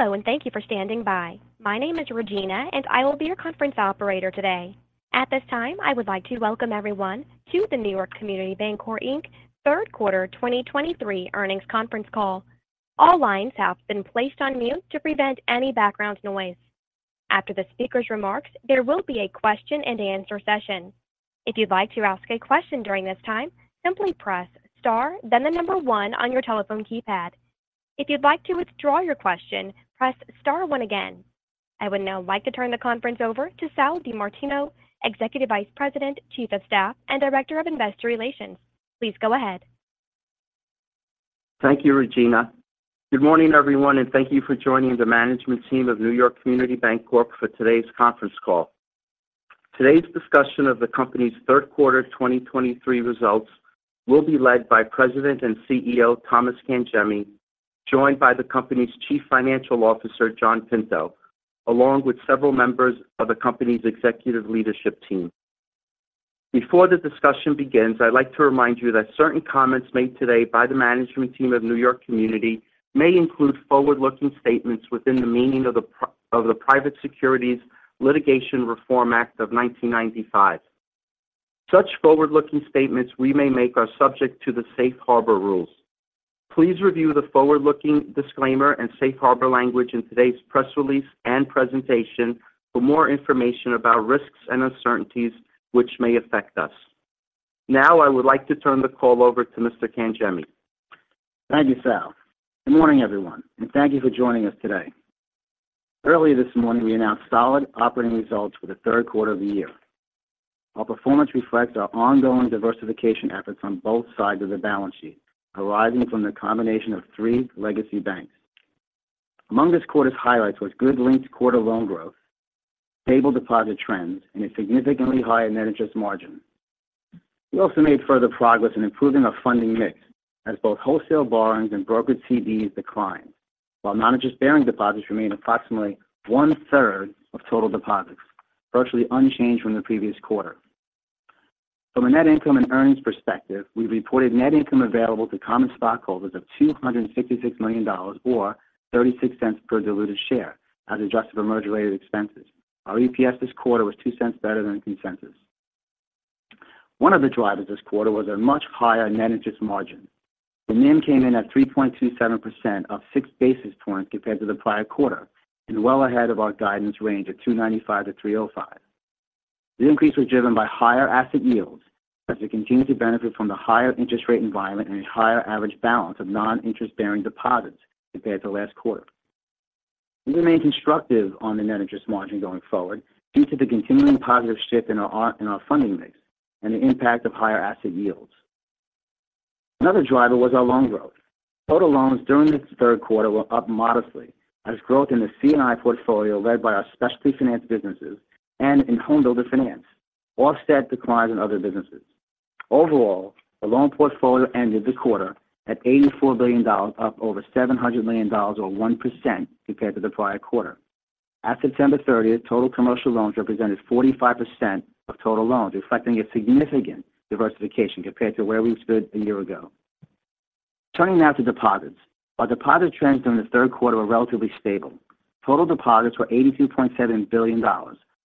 Hello, and thank you for standing by. My name is Regina, and I will be your conference operator today. At this time, I would like to welcome everyone to the New York Community Bancorp, Inc Q3 2023 Earnings Conference Call. All lines have been placed on mute to prevent any background noise. After the speaker's remarks, there will be a question-and-answer session. If you'd like to ask a question during this time, simply press Star, then the number one on your telephone keypad. If you'd like to withdraw your question, press Star one again. I would now like to turn the conference over to Sal DiMartino, Executive Vice President, Chief of Staff, and Director of Investor Relations. Please go ahead. Thank you, Regina. Good morning, everyone, and thank you for joining the management team of New York Community Bancorp for today's conference call. Today's discussion of the company's Q3 2023 results will be led by President and CEO, Thomas Cangemi, joined by the company's Chief Financial Officer, John Pinto, along with several members of the company's executive leadership team. Before the discussion begins, I'd like to remind you that certain comments made today by the management team of New York Community may include forward-looking statements within the meaning of the Private Securities Litigation Reform Act of 1995. Such forward-looking statements we may make are subject to the safe harbor rules. Please review the forward-looking disclaimer and safe harbor language in today's press release and presentation for more information about risks and uncertainties which may affect us. Now, I would like to turn the call over to Mr. Cangemi. Thank you, Sal. Good morning, everyone, and thank you for joining us today. Earlier this morning, we announced solid operating results for the Q3 of the year. Our performance reflects our ongoing diversification efforts on both sides of the balance sheet, arising from the combination of three legacy banks. Among this quarter's highlights was good linked quarter loan growth, stable deposit trends, and a significantly higher net interest margin. We also made further progress in improving our funding mix, as both wholesale borrowings and brokered CDs declined, while non-interest-bearing deposits remained approximately one-third of total deposits, virtually unchanged from the previous quarter. From a net income and earnings perspective, we reported net income available to common stockholders of $266 million or 36 cents per diluted share, as adjusted for merger-related expenses. Our EPS this quarter was 2 cents better than consensus. One of the drivers this quarter was a much higher net interest margin. The NIM came in at 3.27% up six basis points compared to the prior quarter and well ahead of our guidance range of 2.95%-3.05%. The increase was driven by higher asset yields as we continue to benefit from the higher interest rate environment and a higher average balance of non-interest-bearing deposits compared to last quarter. We remain constructive on the net interest margin going forward due to the continuing positive shift in our, in our funding mix and the impact of higher asset yields. Another driver was our loan growth. Total loans during the Q3 were up modestly as growth in the C&I portfolio, led by our specialty finance businesses and in home builder finance, offset declines in other businesses. Overall, the loan portfolio ended the quarter at $84 billion, up over $700 million, or 1% compared to the prior quarter. At September 30, total commercial loans represented 45% of total loans, reflecting a significant diversification compared to where we stood a year ago. Turning now to deposits. Our deposit trends during the Q3 were relatively stable. Total deposits were $82.7 billion,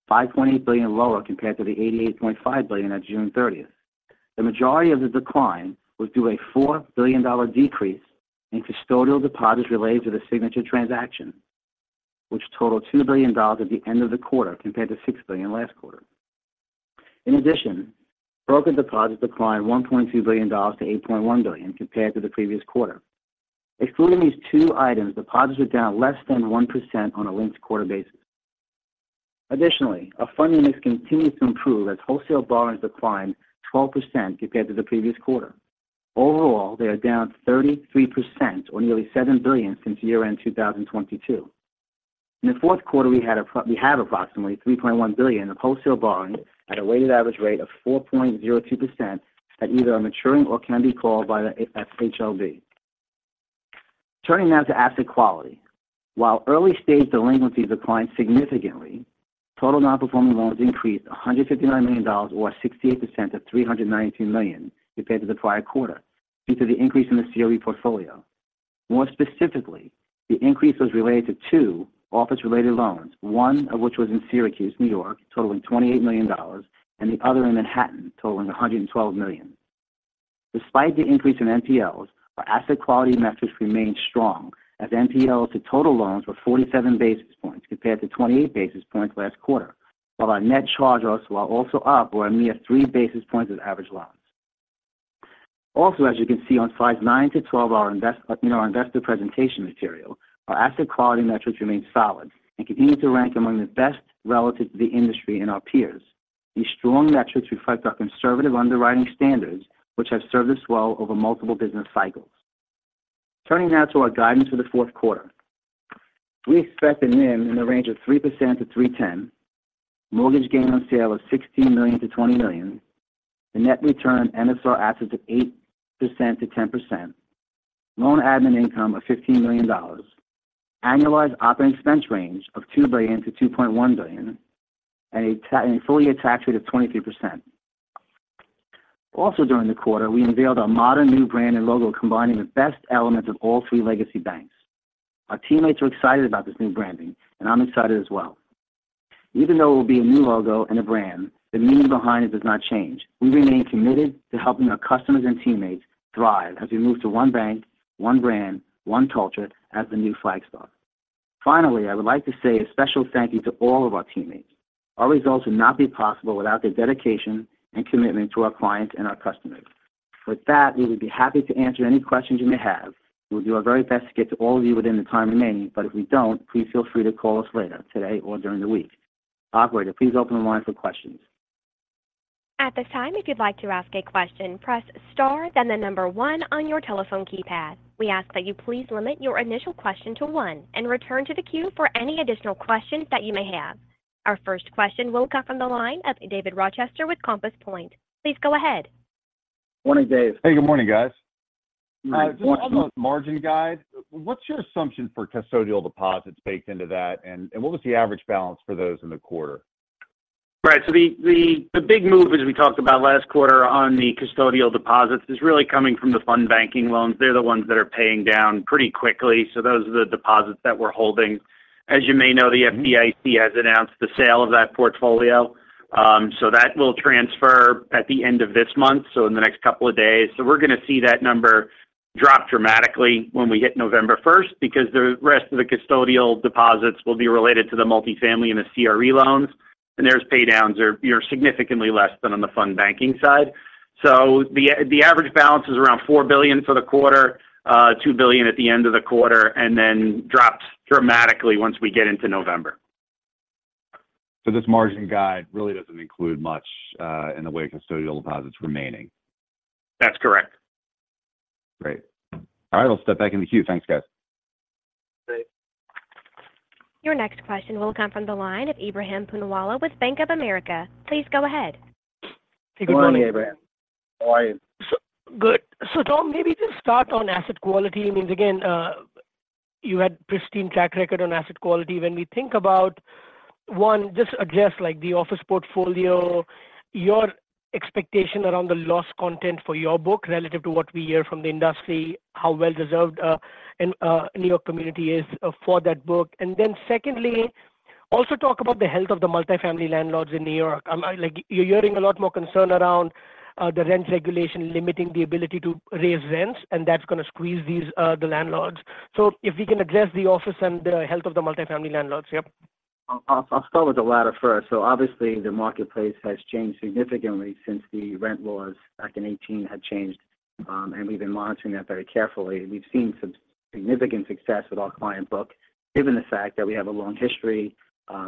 $5.8 billion lower compared to the $88.5 billion at June 30. The majority of the decline was due to a $4 billion decrease in custodial deposits related to the Signature transaction, which totaled $2 billion at the end of the quarter, compared to $6 billion last quarter. In addition, brokered deposits declined $1.2 billion to $8.1 billion, compared to the previous quarter. Excluding these two items, deposits are down less than 1% on a linked-quarter basis. Additionally, our funding mix continues to improve as wholesale borrowings declined 12% compared to the previous quarter. Overall, they are down 33% or nearly $7 billion since year-end 2022. In the Q4, we have approximately $3.1 billion of wholesale borrowings at a weighted average rate of 4.02% that either are maturing or can be called by the FHLB. Turning now to asset quality. While early-stage delinquencies declined significantly, total non-performing loans increased $159 million or 68% to $392 million compared to the prior quarter, due to the increase in the CRE portfolio. More specifically, the increase was related to two office-related loans, one of which was in Syracuse, New York, totaling $28 million, and the other in Manhattan, totaling $112 million. Despite the increase in NPLs, our asset quality metrics remained strong, as NPLs to total loans were 47 basis points compared to 28 basis points last quarter. While our net charge-offs were also up, were a mere 3 basis points of average loans. Also, as you can see on slides 9-12 of our investor presentation material, our asset quality metrics remain solid and continue to rank among the best relative to the industry and our peers. These strong metrics reflect our conservative underwriting standards, which have served us well over multiple business cycles. Turning now to our guidance for the Q4. We expect a NIM in the range of 3%-3.10%, mortgage gain on sale of $16 million-$20 million, the net return on MSR assets of 8%-10%, loan admin income of $15 million, annualized operating expense range of $2 billion-$2.1 billion, and a full-year tax rate of 23%. Also during the quarter, we unveiled our modern new brand and logo, combining the best elements of all three legacy banks. Our teammates are excited about this new branding, and I'm excited as well. Even though it will be a new logo and a brand, the meaning behind it does not change. We remain committed to helping our customers and teammates thrive as we move to one bank, one brand, one culture as the new Flagstar. Finally, I would like to say a special thank you to all of our teammates. Our results would not be possible without their dedication and commitment to our clients and our customers. With that, we would be happy to answer any questions you may have. We'll do our very best to get to all of you within the time remaining, but if we don't, please feel free to call us later today or during the week. Operator, please open the line for questions. At this time, if you'd like to ask a question, press Star, then the number one on your telephone keypad. We ask that you please limit your initial question to one and return to the queue for any additional questions that you may have. Our first question will come from the line of David Rochester with Compass Point. Please go ahead. Morning, Dave. Hey, good morning, guys. Hi- On the margin guide, what's your assumption for custodial deposits baked into that, and what was the average balance for those in the quarter? Right. So the big move, as we talked about last quarter on the custodial deposits, is really coming from the fund banking loans. They're the ones that are paying down pretty quickly, so those are the deposits that we're holding. As you may know, the FDIC has announced the sale of that portfolio, so that will transfer at the end of this month, so in the next couple of days. So we're going to see that number drop dramatically when we hit November first because the rest of the custodial deposits will be related to the multifamily and the CRE loans, and their paydowns are significantly less than on the fund banking side. So the average balance is around $4 billion for the quarter, $2 billion at the end of the quarter, and then drops dramatically once we get into November. This margin guide really doesn't include much in the way of custodial deposits remaining? That's correct. Great. All right, I'll step back in the queue. Thanks, guys. Thanks. Your next question will come from the line of Ebrahim Poonawala with Bank of America. Please go ahead. Good morning, Ebrahim. How are you? Good. So Tom, maybe just start on asset quality. I mean, again, you had pristine track record on asset quality. When we think about, one, just address, like, the office portfolio, your expectation around the loss content for your book relative to what we hear from the industry, how well reserved, and, New York Community is, for that book. And then secondly, also talk about the health of the multifamily landlords in New York. Like, you're hearing a lot more concern around, the rent regulation limiting the ability to raise rents, and that's going to squeeze these, the landlords. So if we can address the office and the health of the multifamily landlords, yep. I'll start with the latter first. So obviously, the marketplace has changed significantly since the rent laws back in 2018 had changed, and we've been monitoring that very carefully. We've seen some significant success with our client book, given the fact that we have a long history.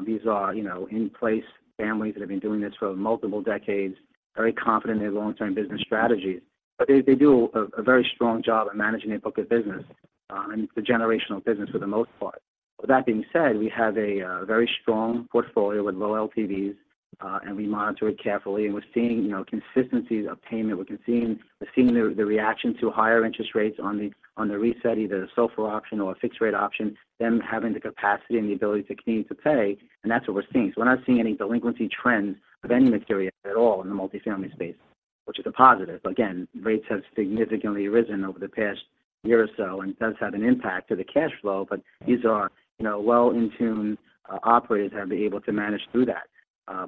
These are, you know, in place families that have been doing this for multiple decades, very confident in their long-term business strategies. But they do a very strong job at managing their book of business, the generational business for the most part. With that being said, we have a very strong portfolio with low LTVs, and we monitor it carefully, and we're seeing, you know, consistencies of payment. We're seeing the reaction to higher interest rates on the reset, either the SOFR option or a fixed-rate option, them having the capacity and the ability to continue to pay, and that's what we're seeing. So we're not seeing any delinquency trends of any material at all in the multifamily space, which is a positive. Again, rates have significantly risen over the past year or so and does have an impact to the cash flow, but these are, you know, well-in-tune operators have been able to manage through that.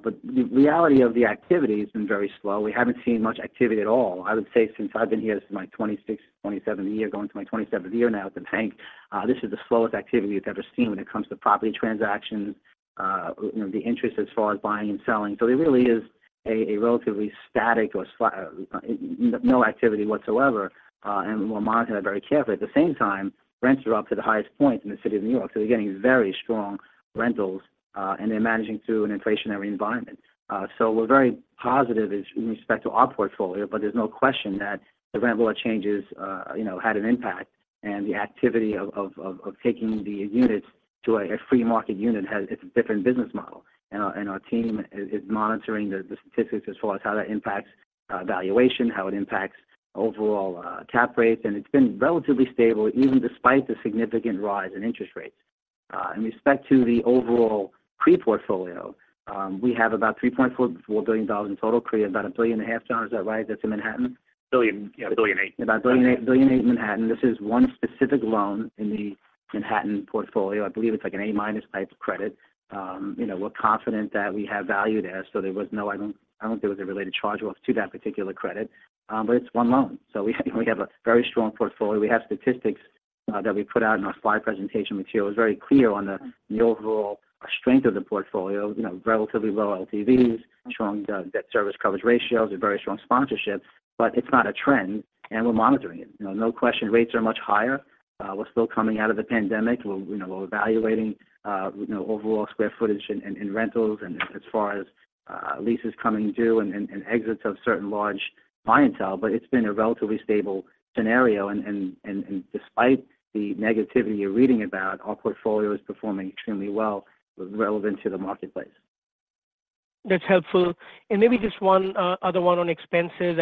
But the reality of the activity has been very slow. We haven't seen much activity at all. I would say since I've been here, this is my 26th, 27th year, going to my 27th year now at the bank, this is the slowest activity we've ever seen when it comes to property transactions, you know, the interest as far as buying and selling. So it really is a relatively static or no activity whatsoever, and we're monitoring that very carefully. At the same time, rents are up to the highest point in the city of New York, so they're getting very strong rentals, and they're managing through an inflationary environment. So we're very positive is in respect to our portfolio, but there's no question that the rent law changes, you know, had an impact and the activity of taking the units to a free market unit has... It's a different business model. Our team is monitoring the statistics as far as how that impacts valuation, how it impacts overall cap rates, and it's been relatively stable, even despite the significant rise in interest rates. In respect to the overall CRE portfolio, we have about $3.44 billion in total CRE, about $1.5 billion, is that right, that's in Manhattan? $1.008 billion, yeah. About $8 billion in Manhattan. This is one specific loan in the Manhattan portfolio. I believe it's like an A-minus type of credit. You know, we're confident that we have value there, so there was no-- I don't, I don't think there was a related charge off to that particular credit, but it's one loan. So we, we have a very strong portfolio. We have statistics that we put out in our slide presentation material. It's very clear on the, the overall strength of the portfolio, you know, relatively low LTVs, strong debt service coverage ratios, a very strong sponsorship, but it's not a trend, and we're monitoring it. You know, no question, rates are much higher. We're still coming out of the pandemic. We're, you know, we're evaluating, you know, overall square footage in rentals and as far as leases coming due and exits of certain large clientele, but it's been a relatively stable scenario. And despite the negativity you're reading about, our portfolio is performing extremely well relevant to the marketplace. That's helpful. And maybe just one other one on expenses.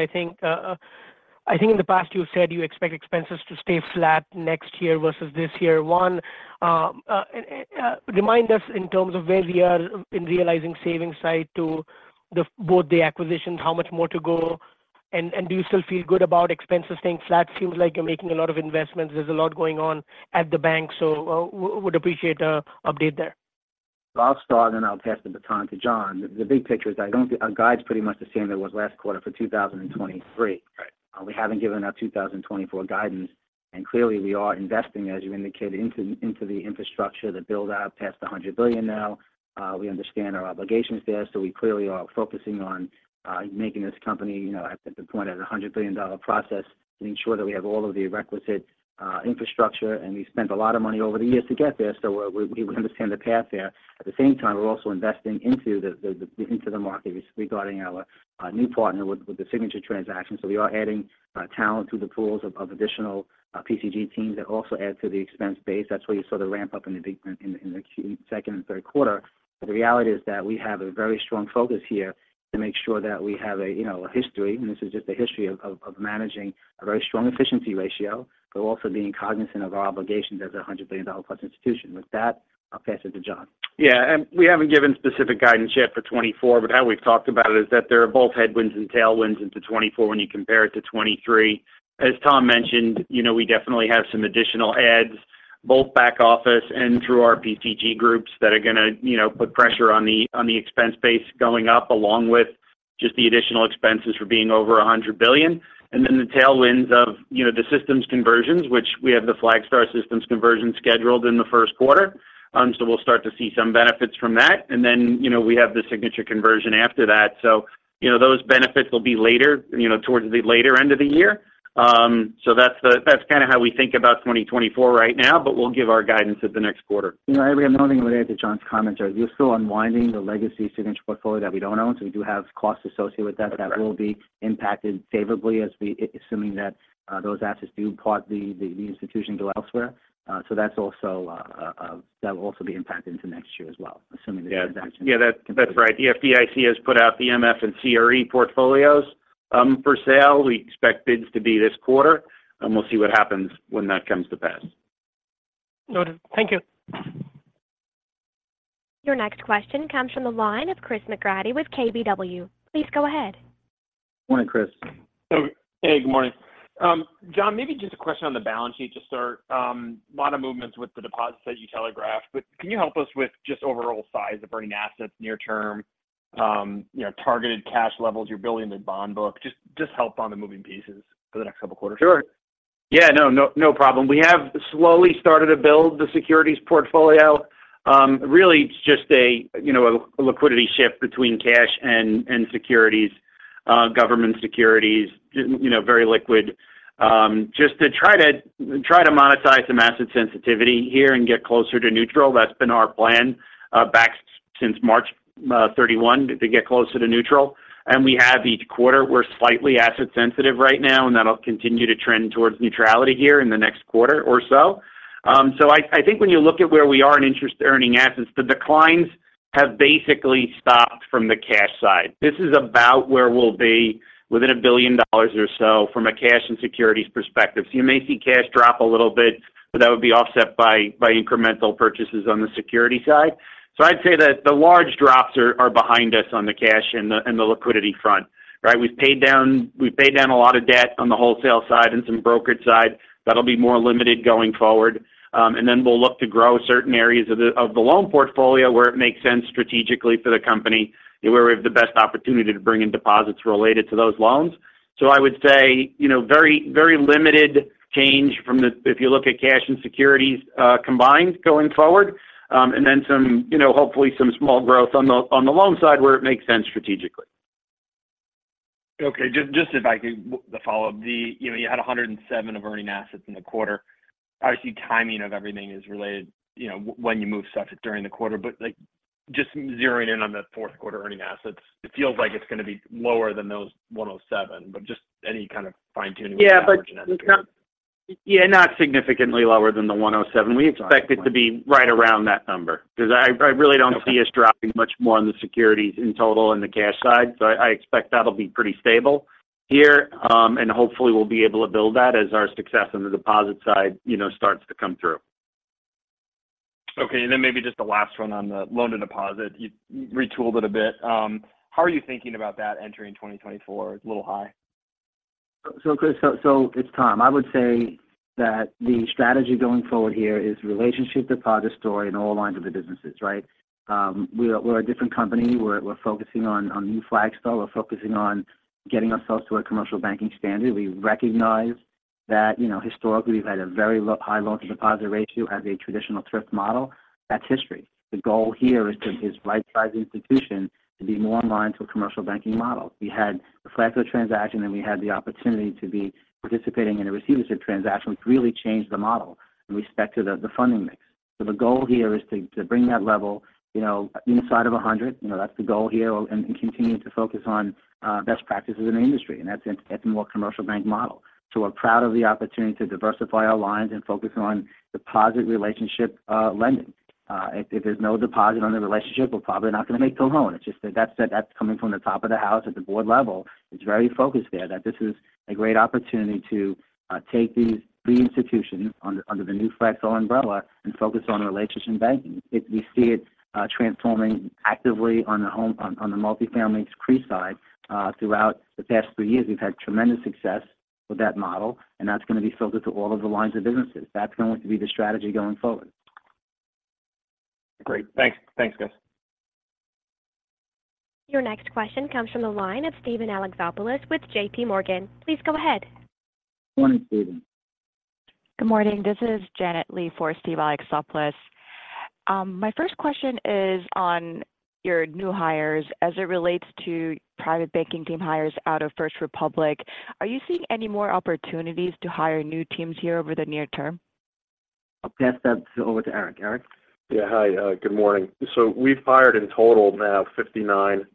I think in the past, you've said you expect expenses to stay flat next year versus this year. One, remind us in terms of where we are in realizing savings side to the both the acquisitions, how much more to go? And, do you still feel good about expenses staying flat? Seems like you're making a lot of investments. There's a lot going on at the bank, so, would appreciate an update there. I'll start, and then I'll pass the baton to John. The big picture is I don't think our guide's pretty much the same as it was last quarter for 2023. Right. We haven't given our 2024 guidance, and clearly we are investing, as you indicated, into the infrastructure, the build-out past $100 billion now. We understand our obligations there, so we clearly are focusing on making this company, you know, at the point of a $100 billion-dollar process and ensure that we have all of the requisite infrastructure. And we spent a lot of money over the years to get there, so we understand the path there. At the same time, we're also investing into the market regarding our new partner with the Signature transaction. So we are adding talent to the pools of additional PCG teams that also add to the expense base. That's why you saw the ramp up in the Q2, second and Q3. But the reality is that we have a very strong focus here to make sure that we have a, you know, a history, and this is just a history of managing a very strong efficiency ratio, but also being cognizant of our obligations as a $100 billion+ institution. With that, I'll pass it to John. Yeah, and we haven't given specific guidance yet for 2024, but how we've talked about it is that there are both headwinds and tailwinds into 2024 when you compare it to 2023. As Tom mentioned, you know, we definitely have some additional adds, both back office and through our PCG groups that are gonna, you know, put pressure on the, on the expense base going up, along with just the additional expenses for being over $100 billion. And then the tailwinds of, you know, the systems conversions, which we have the Flagstar systems conversion scheduled in the Q1. So we'll start to see some benefits from that. And then, you know, we have the Signature conversion after that. So, you know, those benefits will be later, you know, towards the later end of the year. So, that's kind of how we think about 2024 right now, but we'll give our guidance at the next quarter. You know, I have one thing to add to John's comments are, we're still unwinding the legacy Signature portfolio that we don't own, so we do have costs associated with that- Correct. -that will be impacted favorably as we... Assuming that, those assets depart the institution go elsewhere. So that's also, that will also be impacted into next year as well, assuming the transaction. Yeah. That's, that's right. The FDIC has put out the MF and CRE portfolios for sale. We expect bids to be this quarter, and we'll see what happens when that comes to pass. Noted. Thank you. Your next question comes from the line of Chris McGratty with KBW. Please go ahead. Morning, Chris. Hey, good morning. John, maybe just a question on the balance sheet to start. A lot of movements with the deposits that you telegraphed, but can you help us with just overall size of earning assets near term? You know, targeted cash levels, you're building the bond book. Just, just help on the moving pieces for the next couple of quarters. Sure. Yeah, no, no, no problem. We have slowly started to build the securities portfolio. Really, it's just a, you know, a liquidity shift between cash and, and securities, government securities, you know, very liquid, just to try to, try to monetize some asset sensitivity here and get closer to neutral. That's been our plan back since March 31, to get closer to neutral. And we have each quarter, we're slightly asset sensitive right now, and that'll continue to trend towards neutrality here in the next quarter or so. So I think when you look at where we are in interest earning assets, the declines have basically stopped from the cash side. This is about where we'll be within $1 billion or so from a cash and securities perspective. So you may see cash drop a little bit, but that would be offset by incremental purchases on the security side. So I'd say that the large drops are behind us on the cash and the liquidity front, right? We've paid down a lot of debt on the wholesale side and some brokerage side. That'll be more limited going forward. And then we'll look to grow certain areas of the loan portfolio where it makes sense strategically for the company, and where we have the best opportunity to bring in deposits related to those loans. So I would say, you know, very, very limited change from the... if you look at cash and securities combined going forward, and then some, you know, hopefully some small growth on the loan side where it makes sense strategically. Okay, just if I could, the follow-up. You know, you had 107 of earning assets in the quarter. Obviously, timing of everything is related, you know, when you move such during the quarter, but, like, just zeroing in on the Q4 earning assets, it feels like it's going to be lower than those 107, but just any kind of fine-tuning with that- Yeah, but-margin estimate. Yeah, not significantly lower than the 107. Got it. We expect it to be right around that number because I, I really don't- Okay. see us dropping much more on the securities in total in the cash side. So I expect that'll be pretty stable here, and hopefully we'll be able to build that as our success on the deposit side, you know, starts to come through. Okay, and then maybe just the last one on the loan to deposit. You retooled it a bit. How are you thinking about that entering 2024? It's a little high. So, Chris, it's Tom. I would say that the strategy going forward here is relationship deposit story in all lines of the businesses, right? We are—we're a different company. We're focusing on New Flagstar. We're focusing on getting ourselves to a commercial banking standard. We recognize that, you know, historically, we've had a very low-high loan to deposit ratio as a traditional thrift model. That's history. The goal here is to, as right-sized institution, to be more in line to a commercial banking model. We had the Flagstar transaction, and we had the opportunity to be participating in a receivership transaction, which really changed the model in respect to the funding mix. So the goal here is to bring that level, you know, inside of 100. You know, that's the goal here and, and continue to focus on best practices in the industry, and that's, that's a more commercial bank model. So we're proud of the opportunity to diversify our lines and focus on deposit relationship lending. If there's no deposit on the relationship, we're probably not going to make the loan. It's just that that's coming from the top of the house at the board level. It's very focused there, that this is a great opportunity to take these, the institutions under the new Flagstar umbrella and focus on relationship banking. We see it transforming actively on the multifamily CRE side. Throughout the past three years, we've had tremendous success with that model, and that's going to be filtered to all of the lines of businesses. That's going to be the strategy going forward. Great. Thanks. Thanks, guys. Your next question comes from the line of Steven Alexopoulos with J.P. Morgan. Please go ahead. Good morning, Steven. Good morning. This is Janet Lee for Steve Alexopoulos. My first question is on your new hires as it relates to private banking team hires out of First Republic. Are you seeing any more opportunities to hire new teams here over the near term? I'll pass that over to Eric. Eric? Yeah. Hi, good morning. So we've hired in total now 59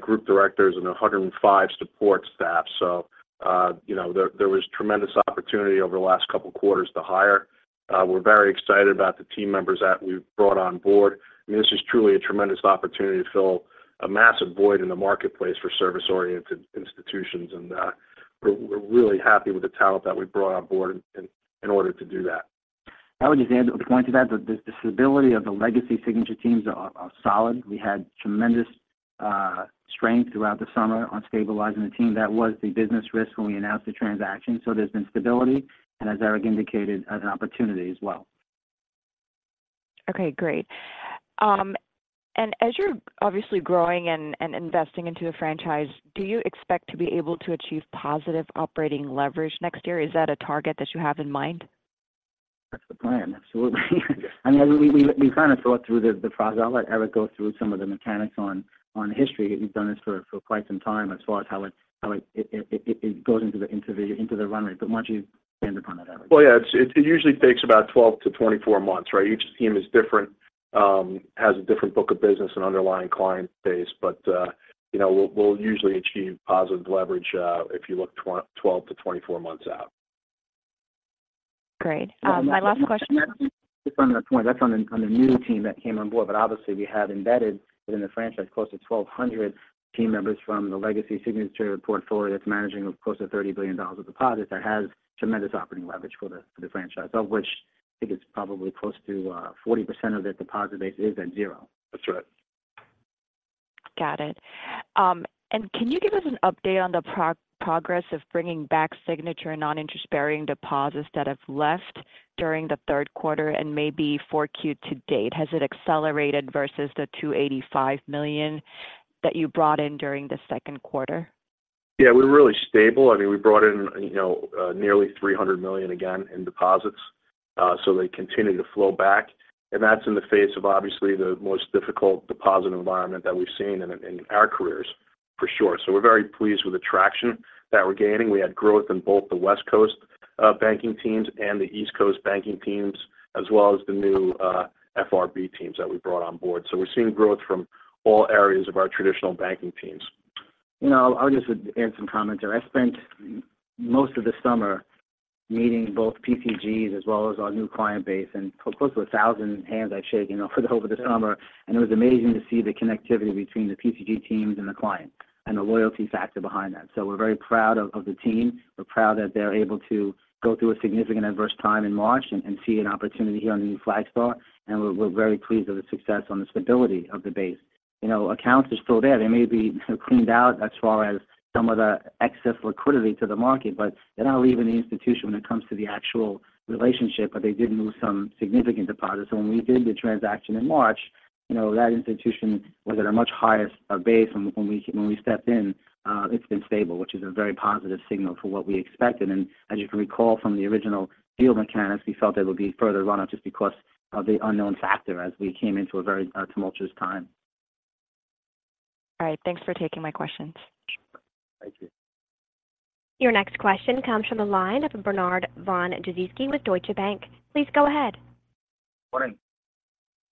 group directors and 105 support staff. So, you know, there was tremendous opportunity over the last couple of quarters to hire. We're very excited about the team members that we've brought on board. I mean, this is truly a tremendous opportunity to fill a massive void in the marketplace for service-oriented institutions, and we're really happy with the talent that we've brought on board in order to do that. I would just add to the point to that, the stability of the legacy Signature teams are solid. We had tremendous strength throughout the summer on stabilizing the team. That was the business risk when we announced the transaction. So there's been stability and as Eric indicated, an opportunity as well. Okay, great. As you're obviously growing and investing into the franchise, do you expect to be able to achieve positive operating leverage next year? Is that a target that you have in mind? That's the plan, absolutely. I mean, we kind of thought through the process. I'll let Eric go through some of the mechanics on history. We've done this for quite some time as far as how it goes into the runway. But why don't you expand upon that, Eric? Well, yeah. It usually takes about 12-24 months, right? Each team is different, has a different book of business and underlying client base, but, you know, we'll usually achieve positive leverage, if you look 12-24 months out. Great. My last question- Just on that point, that's on the new team that came on board. But obviously, we have embedded within the franchise close to 1,200 team members from the legacy Signature portfolio that's managing close to $30 billion of deposits, that has tremendous operating leverage for the franchise, of which I think it's probably close to 40% of their deposit base is at zero. That's right. Got it. And can you give us an update on the progress of bringing back Signature non-interest-bearing deposits that have left during the Q3 and maybe 4Q to date? Has it accelerated versus the $285 million that you brought in during the Q2? Yeah, we're really stable. I mean, we brought in, you know, nearly $300 million again in deposits. So they continue to flow back, and that's in the face of obviously the most difficult deposit environment that we've seen in our careers, for sure. So we're very pleased with the traction that we're gaining. We had growth in both the West Coast banking teams and the East Coast banking teams, as well as the new FRB teams that we brought on board. So we're seeing growth from all areas of our traditional banking teams. You know, I'll just add some comments there. I spent most of the summer meeting both PCGs as well as our new client base, and close to 1,000 hands I've shaken over the summer, and it was amazing to see the connectivity between the PCG teams and the clients, and the loyalty factor behind that. So we're very proud of the team. We're proud that they're able to go through a significant adverse time in March and see an opportunity here under the Flagstar. And we're very pleased with the success and the stability of the base. You know, accounts are still there. They may be cleaned out as far as some of the excess liquidity to the market, but they're not leaving the institution when it comes to the actual relationship, but they did move some significant deposits. So when we did the transaction in March, you know, that institution was at a much higher base when we stepped in. It's been stable, which is a very positive signal for what we expected. And as you can recall from the original deal mechanics, we felt there would be further runoff just because of the unknown factor as we came into a very tumultuous time. All right. Thanks for taking my questions. Thank you. Your next question comes from the line of Bernard Von Gizycki with Deutsche Bank. Please go ahead. Morning.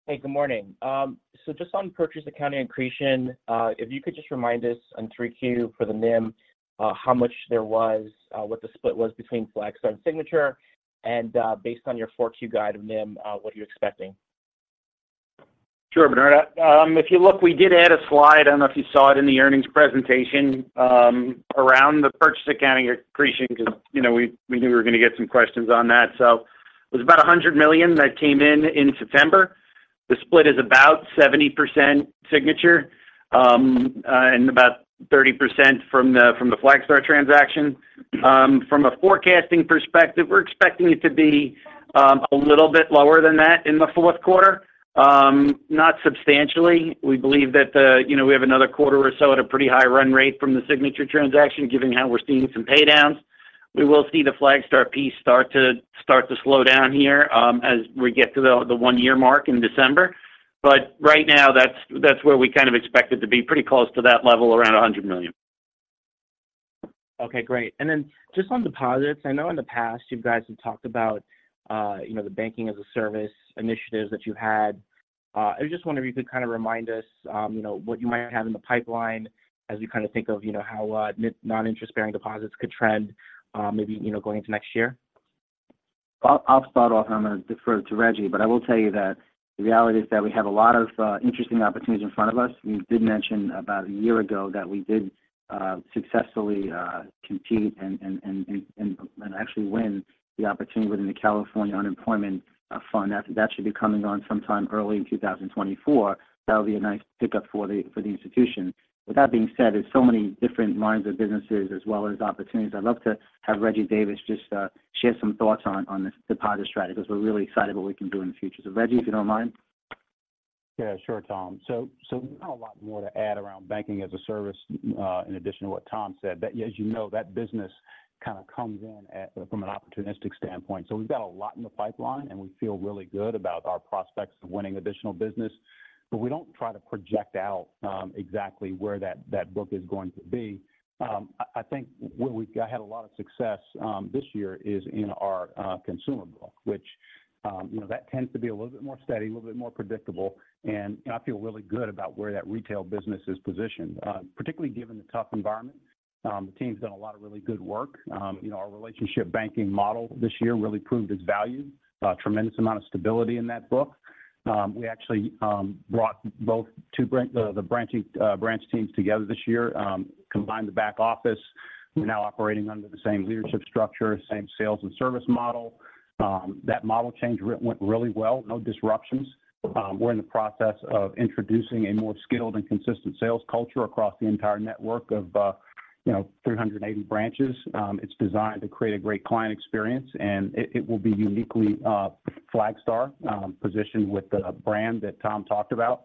Hey, good morning. So just on purchase accounting accretion, if you could just remind us on 3Q for the NIM, how much there was, what the split was between Flagstar and Signature, and, based on your 4Q guide of NIM, what are you expecting? Sure, Bernard. If you look, we did add a slide, I don't know if you saw it in the earnings presentation, around the purchase accounting accretion, because, you know, we, we knew we were going to get some questions on that. So it was about $100 million that came in in September. The split is about 70% Signature, and about 30% from the, from the Flagstar transaction. From a forecasting perspective, we're expecting it to be, a little bit lower than that in the Q4. Not substantially. We believe that the, you know, we have another quarter or so at a pretty high run rate from the Signature transaction, given how we're seeing some pay downs. We will see the Flagstar piece start to slow down here, as we get to the one-year mark in December. But right now, that's where we kind of expect it to be, pretty close to that level, around $100 million. Okay, great. And then just on deposits, I know in the past you guys have talked about, you know, the banking-as-a-service initiatives that you had. I just wonder if you could kind of remind us, you know, what you might have in the pipeline as you kind of think of, you know, how non-interest bearing deposits could trend, maybe, you know, going into next year?... I'll start off, and I'm going to defer to Reggie. But I will tell you that the reality is that we have a lot of interesting opportunities in front of us. We did mention about a year ago that we did successfully compete and actually win the opportunity within the California Unemployment Fund. That should be coming on sometime early in 2024. That'll be a nice pickup for the institution. With that being said, there's so many different lines of businesses as well as opportunities. I'd love to have Reggie Davis just share some thoughts on this deposit strategy, because we're really excited what we can do in the future. So Reggie, if you don't mind. Yeah, sure, Tom. So not a lot more to add around banking as a service in addition to what Tom said. But as you know, that business kind of comes in at, from an opportunistic standpoint. So we've got a lot in the pipeline, and we feel really good about our prospects of winning additional business. But we don't try to project out exactly where that book is going to be. I think where we've had a lot of success this year is in our consumer book, which you know, that tends to be a little bit more steady, a little bit more predictable, and I feel really good about where that retail business is positioned. Particularly given the tough environment, the team's done a lot of really good work. You know, our relationship banking model this year really proved its value. Tremendous amount of stability in that book. We actually brought the branch teams together this year, combined the back office. We're now operating under the same leadership structure, same sales and service model. That model change went really well, no disruptions. We're in the process of introducing a more skilled and consistent sales culture across the entire network of, you know, 380 branches. It's designed to create a great client experience, and it will be uniquely Flagstar positioned with the brand that Tom talked about.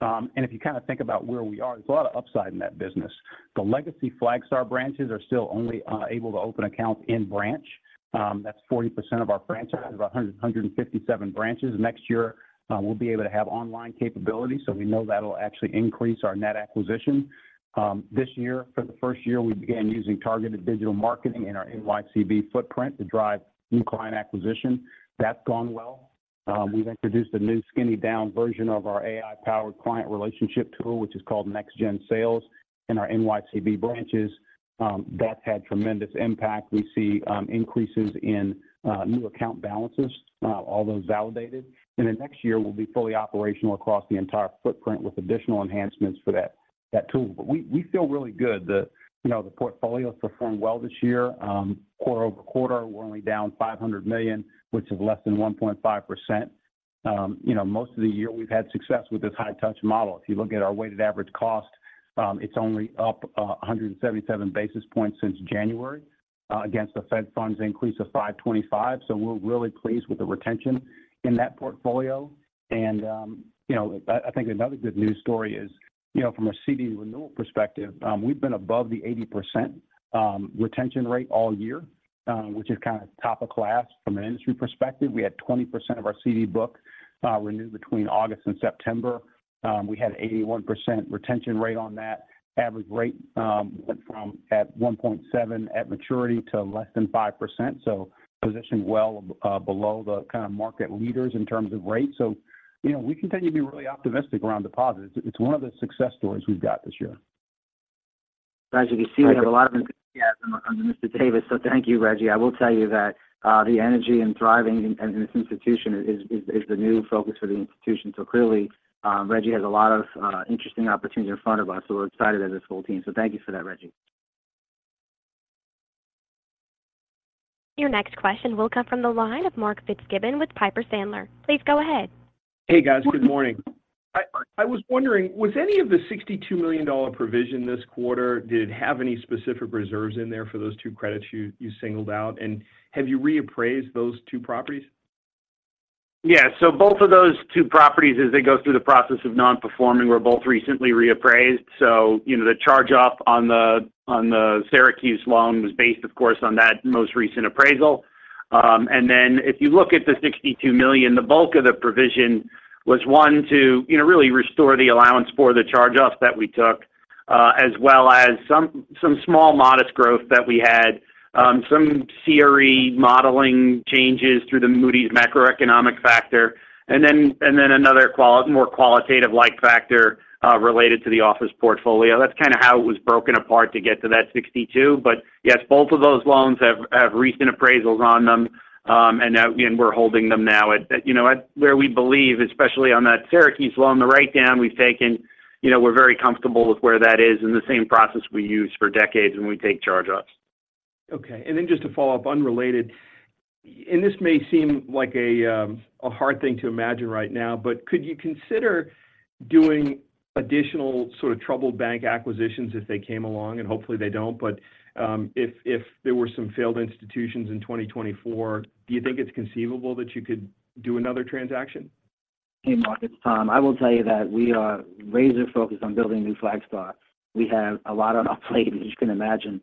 And if you kind of think about where we are, there's a lot of upside in that business. The legacy Flagstar branches are still only able to open accounts in branch. That's 40% of our branches, about 157 branches. Next year, we'll be able to have online capabilities, so we know that'll actually increase our net acquisition. This year, for the first year, we began using targeted digital marketing in our NYCB footprint to drive new client acquisition. That's gone well. We've introduced a new skinny down version of our AI-powered client relationship tool, which is called NextGen Sales in our NYCB branches. That's had tremendous impact. We see increases in new account balances, all those validated. And then next year, we'll be fully operational across the entire footprint with additional enhancements for that, that tool. But we, we feel really good. The, you know, the portfolio performed well this year. Quarter-over-quarter, we're only down $500 million, which is less than 1.5%. You know, most of the year we've had success with this high touch model. If you look at our weighted average cost, it's only up a hundred and seventy-seven basis points since January against the Fed funds increase of 525. So we're really pleased with the retention in that portfolio. And, you know, I think another good news story is, you know, from a CD renewal perspective, we've been above the 80% retention rate all year, which is kind of top of class from an industry perspective. We had 20% of our CD book renewed between August and September. We had 81% retention rate on that. Average rate went from at 1.7 at maturity to less than 5%, so positioned well below the kind of market leaders in terms of rate. So, you know, we continue to be really optimistic around deposits. It's one of the success stories we've got this year. As you can see, we have a lot of enthusiasm under Mr. Davis, so thank you, Reggie. I will tell you that, the energy and thriving in this institution is the new focus for the institution. So clearly, Reggie has a lot of interesting opportunities in front of us, so we're excited as this whole team. So thank you for that, Reggie. Your next question will come from the line of Mark Fitzgibbon with Piper Sandler. Please go ahead. Hey, guys. Good morning. I was wondering, was any of the $62 million provision this quarter, did it have any specific reserves in there for those two credits you singled out? And have you reappraised those two properties? Yeah. So both of those two properties, as they go through the process of non-performing, were both recently reappraised. So you know, the charge-off on the Syracuse loan was based, of course, on that most recent appraisal. And then if you look at the $62 million, the bulk of the provision was 1, to, you know, really restore the allowance for the charge-offs that we took, as well as some small modest growth that we had, some CRE modeling changes through the Moody's macroeconomic factor, and then another more qualitative-like factor related to the office portfolio. That's kind of how it was broken apart to get to that $62 million. But yes, both of those loans have recent appraisals on them. And we're holding them now at, you know, at where we believe, especially on that Syracuse loan, the write-down we've taken, you know, we're very comfortable with where that is, and the same process we used for decades when we take charge-offs. Okay. And then just to follow up, unrelated. And this may seem like a hard thing to imagine right now, but could you consider doing additional sort of troubled bank acquisitions if they came along? And hopefully, they don't. But if there were some failed institutions in 2024, do you think it's conceivable that you could do another transaction? Hey, Mark, it's Tom. I will tell you that we are laser focused on building new Flagstar. We have a lot on our plate, as you can imagine.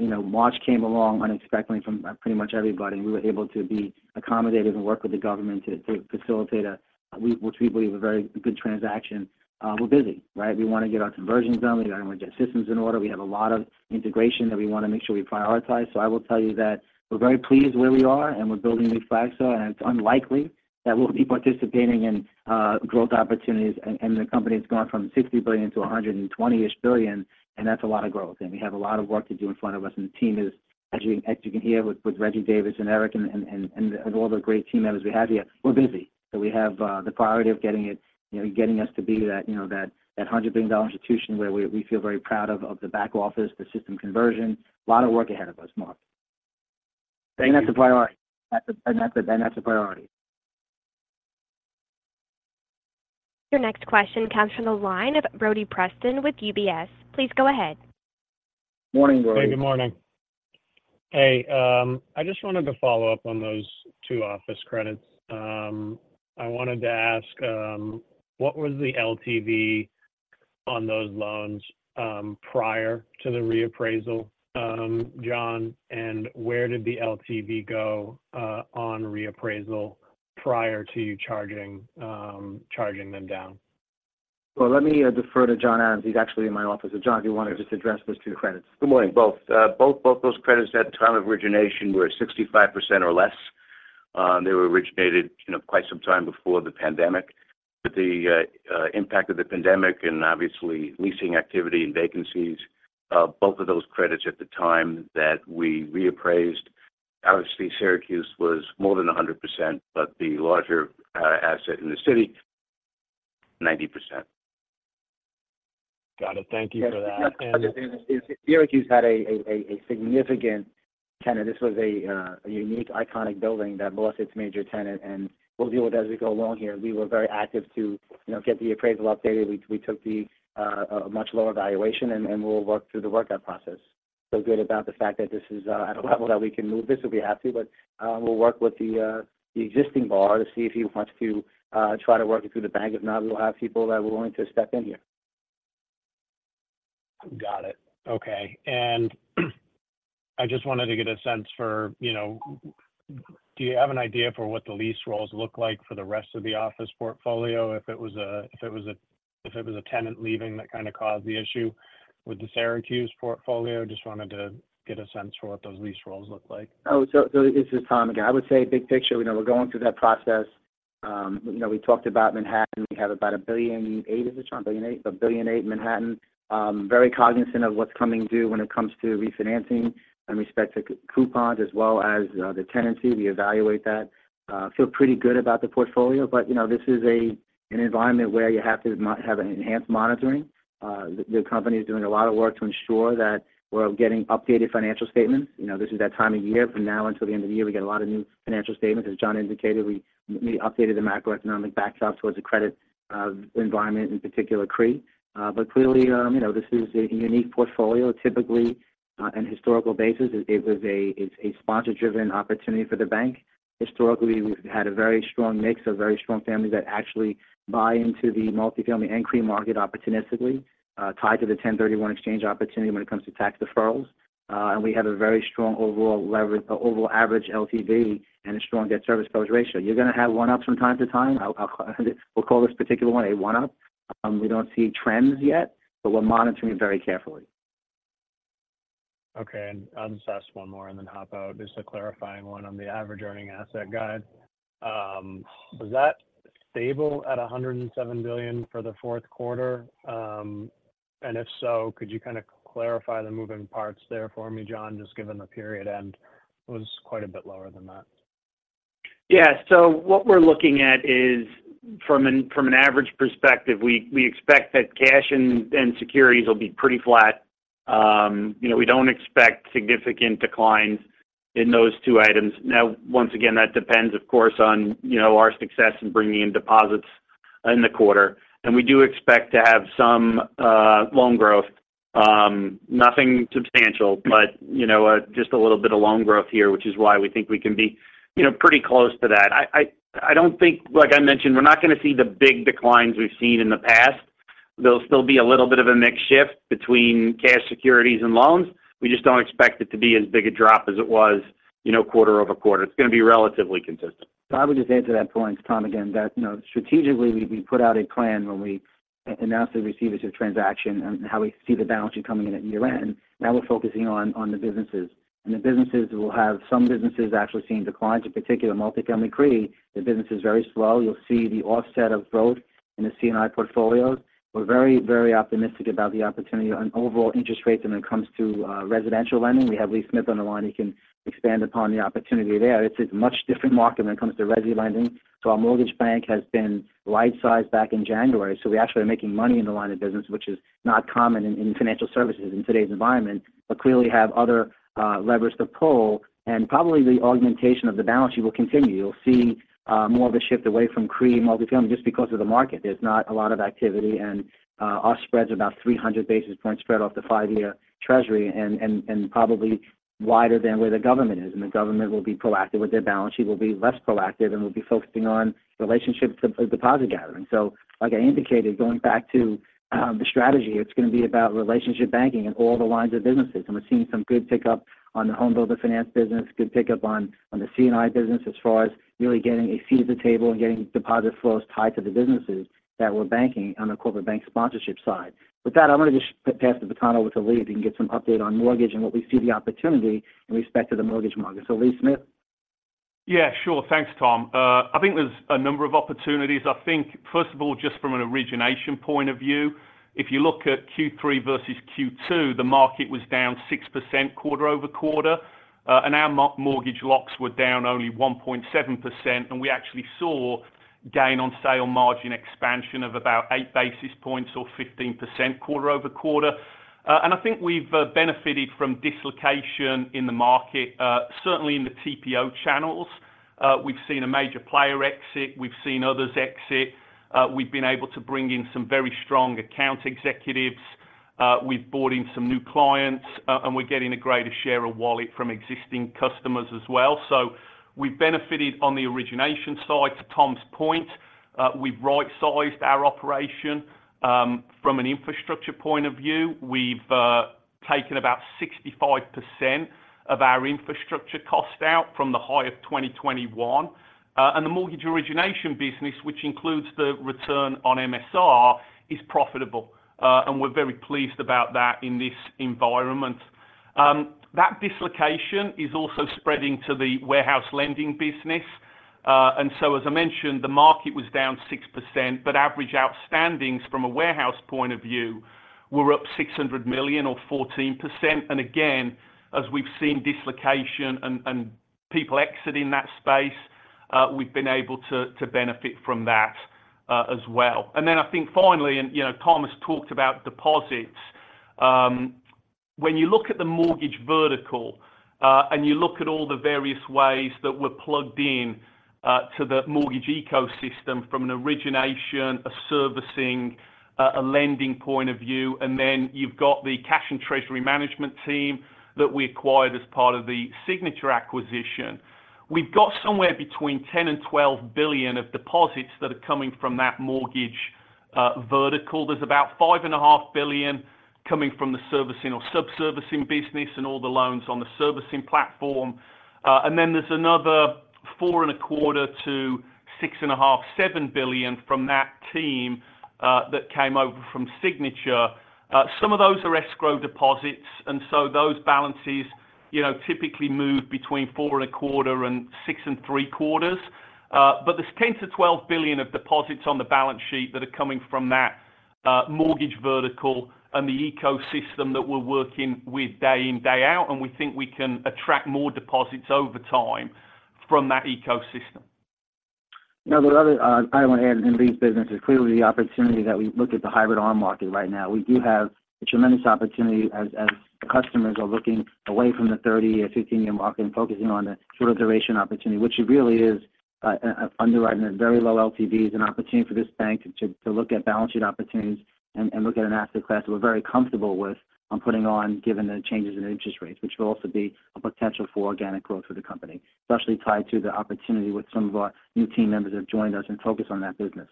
You know, March came along unexpectedly from pretty much everybody. We were able to be accommodative and work with the government to facilitate a, which we believe a very good transaction. We're busy, right? We want to get our conversions done. We want to get our systems in order. We have a lot of integration that we want to make sure we prioritize. So I will tell you that we're very pleased where we are, and we're building New Flagstar, and it's unlikely that we'll be participating in growth opportunities. The company has gone from $60 billion to $120-ish billion, and that's a lot of growth. We have a lot of work to do in front of us, and the team is, as you can hear, with Reggie Davis and Eric and all the great team members we have here, we're busy. So we have the priority of getting it, you know, getting us to be that, you know, that $100 billion institution where we feel very proud of the back office, the system conversion. A lot of work ahead of us, Mark. And that's a priority. Your next question comes from the line of Brody Preston with UBS. Please go ahead. Morning, Brody. Hey, good morning. Hey, I just wanted to follow up on those two office credits. I wanted to ask, what was the LTV on those loans, prior to the reappraisal, John? And where did the LTV go, on reappraisal prior to you charging, charging them down? Well, let me defer to John Adams. He's actually in my office. So John, do you want to just address those two credits? Good morning, both. Both those credits at the time of origination were 65% or less. They were originated, you know, quite some time before the pandemic. But the impact of the pandemic and obviously leasing activity and vacancies, both of those credits at the time that we reappraised, obviously, Syracuse was more than 100%, but the larger asset in the city, 90%. Got it. Thank you for that Syracuse had a significant tenant. This was a unique, iconic building that lost its major tenant, and we'll deal with it as we go along here. We were very active to, you know, get the appraisal updated. We took a much lower valuation, and then we'll work through the workout process. Feel good about the fact that this is at a level that we can move this, we'll be happy, but we'll work with the existing buyer to see if he wants to try to work it through the bank. If not, we'll have people that are willing to step in here. Got it. Okay. I just wanted to get a sense for, you know, do you have an idea for what the lease rolls look like for the rest of the office portfolio? If it was a tenant leaving that kind of caused the issue with the Syracuse portfolio. Just wanted to get a sense for what those lease rolls look like. So this is Tom again. I would say big picture, we know we're going through that process. You know, we talked about Manhattan. We have about $1.8 billion, is it John? $1.8 billion? $1.8 billion in Manhattan. Very cognizant of what's coming due when it comes to refinancing and respect to coupons as well as the tenancy. We evaluate that. Feel pretty good about the portfolio, but, you know, this is an environment where you have to not have an enhanced monitoring. The company is doing a lot of work to ensure that we're getting updated financial statements. You know, this is that time of year from now until the end of the year, we get a lot of new financial statements. As John indicated, we updated the macroeconomic backstop towards the credit environment, in particular, CRE. But clearly, you know, this is a unique portfolio, typically, in historical basis. It was a, it's a sponsor-driven opportunity for the bank. Historically, we've had a very strong mix of very strong families that actually buy into the multifamily and CRE market opportunistically, tied to the 1031 exchange opportunity when it comes to tax deferrals. And we have a very strong overall leverage, overall average LTV and a strong debt service coverage ratio. You're going to have one-offs from time to time. We'll call this particular one a one-off. We don't see trends yet, but we're monitoring very carefully. Okay, and I'll just ask one more and then hop out. Just a clarifying one on the average earning asset guide. Was that stable at $107 billion for the Q4? And if so, could you kind of clarify the moving parts there for me, John, just given the period end was quite a bit lower than that? Yeah. So what we're looking at is from an average perspective, we expect that cash and securities will be pretty flat. You know, we don't expect significant declines in those two items. Now, once again, that depends, of course, on our success in bringing in deposits in the quarter. And we do expect to have some loan growth, nothing substantial, but you know, just a little bit of loan growth here, which is why we think we can be pretty close to that. I don't think, like I mentioned, we're not going to see the big declines we've seen in the past. There'll still be a little bit of a mix shift between cash, securities, and loans. We just don't expect it to be as big a drop as it was, you know, quarter-over-quarter. It's going to be relatively consistent. So I would just add to that point, Tom again, that, you know, strategically, we, we put out a plan when we announced the receivership transaction and how we see the balance sheet coming in at year-end. Now we're focusing on, on the businesses. And the businesses will have some businesses actually seeing declines, in particular, multifamily CRE, the business is very slow. You'll see the offset of growth in the C&I portfolios. We're very, very optimistic about the opportunity on overall interest rates when it comes to residential lending. We have Lee Smith on the line. He can expand upon the opportunity there. It's a much different market when it comes to resi lending. So our mortgage bank has been right-sized back in January. So we actually are making money in the line of business, which is not common in financial services in today's environment, but clearly have other levers to pull, and probably the augmentation of the balance sheet will continue. You'll see more of a shift away from CRE multifamily just because of the market. There's not a lot of activity, and our spread's about 300 basis points spread off the five-year treasury and probably wider than where the government is. And the government will be proactive with their balance sheet, will be less proactive, and will be focusing on relationship deposit gathering. So like I indicated, going back to the strategy, it's going to be about relationship banking in all the lines of businesses. We're seeing some good pickup on the home builder finance business, good pickup on the C&I business as far as really getting a seat at the table and getting deposit flows tied to the businesses that we're banking on the corporate bank sponsorship side. With that, I'm going to just pass the baton over to Lee, if you can get some update on mortgage and what we see the opportunity in respect to the mortgage market. So Lee Smith? Yeah, sure. Thanks, Tom. I think there's a number of opportunities. I think, first of all, just from an origination point of view, if you look at Q3 versus Q2, the market was down 6% quarter-over-quarter, and our mortgage locks were down only 1.7%, and we actually saw gain on sale margin expansion of about 8 basis points or 15% quarter-over-quarter. And I think we've benefited from dislocation in the market, certainly in the TPO channels. We've seen a major player exit. We've seen others exit. We've been able to bring in some very strong account executives. We've brought in some new clients, and we're getting a greater share of wallet from existing customers as well. So we've benefited on the origination side. To Tom's point, we've right-sized our operation. From an infrastructure point of view, we've taken about 65% of our infrastructure costs out from the high of 2021. And the mortgage origination business, which includes the return on MSR, is profitable, and we're very pleased about that in this environment. That dislocation is also spreading to the warehouse lending business. And so as I mentioned, the market was down 6%, but average outstandings from a warehouse point of view were up $600 million or 14%. And again, as we've seen dislocation and people exiting that space, we've been able to benefit from that, as well. And then I think finally, and you know, Tom has talked about deposits. When you look at the mortgage vertical, and you look at all the various ways that we're plugged in to the mortgage ecosystem from an origination, a servicing, a lending point of view, and then you've got the cash and treasury management team that we acquired as part of the Signature acquisition. We've got somewhere between $10 billion-$12 billion of deposits that are coming from that mortgage vertical. There's about $5.5 billion coming from the servicing or sub-servicing business and all the loans on the servicing platform, and then there's another $4.25 billion-$6.5 billion, $7 billion from that team that came over from Signature. Some of those are escrow deposits, and so those balances, you know, typically move between $4.25 billion-$6.75 billion. There's $10 billion-$12 billion of deposits on the balance sheet that are coming from that mortgage vertical and the ecosystem that we're working with day in, day out, and we think we can attract more deposits over time from that ecosystem. Now, the other I want to add in Lee's business is clearly the opportunity that we look at the hybrid arm market right now. We do have a tremendous opportunity as customers are looking away from the 30- or 15-year market and focusing on the shorter duration opportunity, which really is underwriting at very low LTVs, an opportunity for this bank to look at balance sheet opportunities and look at an asset class that we're very comfortable with on putting on, given the changes in interest rates, which will also be a potential for organic growth for the company. Especially tied to the opportunity with some of our new team members who have joined us and focus on that business.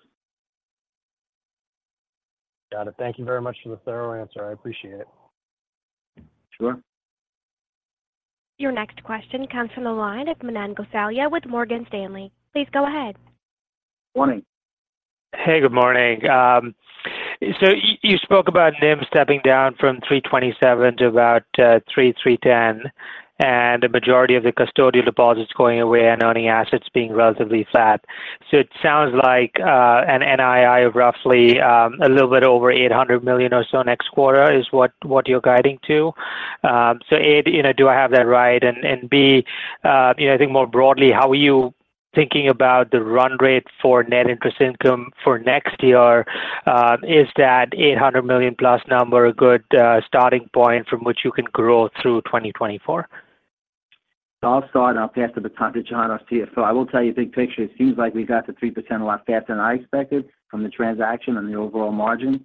Got it. Thank you very much for the thorough answer. I appreciate it. Sure. Your next question comes from the line of Manan Gosalia with Morgan Stanley. Please go ahead. Morning. Hey, good morning. So you spoke about NIM stepping down from 3.27 to about 3.10, and the majority of the custodial deposits going away and earning assets being relatively flat. So it sounds like an NII of roughly a little bit over $800 million or so next quarter is what you're guiding to. So A, you know, do I have that right? And B, you know, I think more broadly, how are you thinking about the run rate for net interest income for next year? Is that $800 million plus number a good starting point from which you can grow through 2024? I'll start, and I'll pass it to Tom, to John, our CFO. I will tell you, big picture, it seems like we got to 3% a lot faster than I expected from the transaction on the overall margin.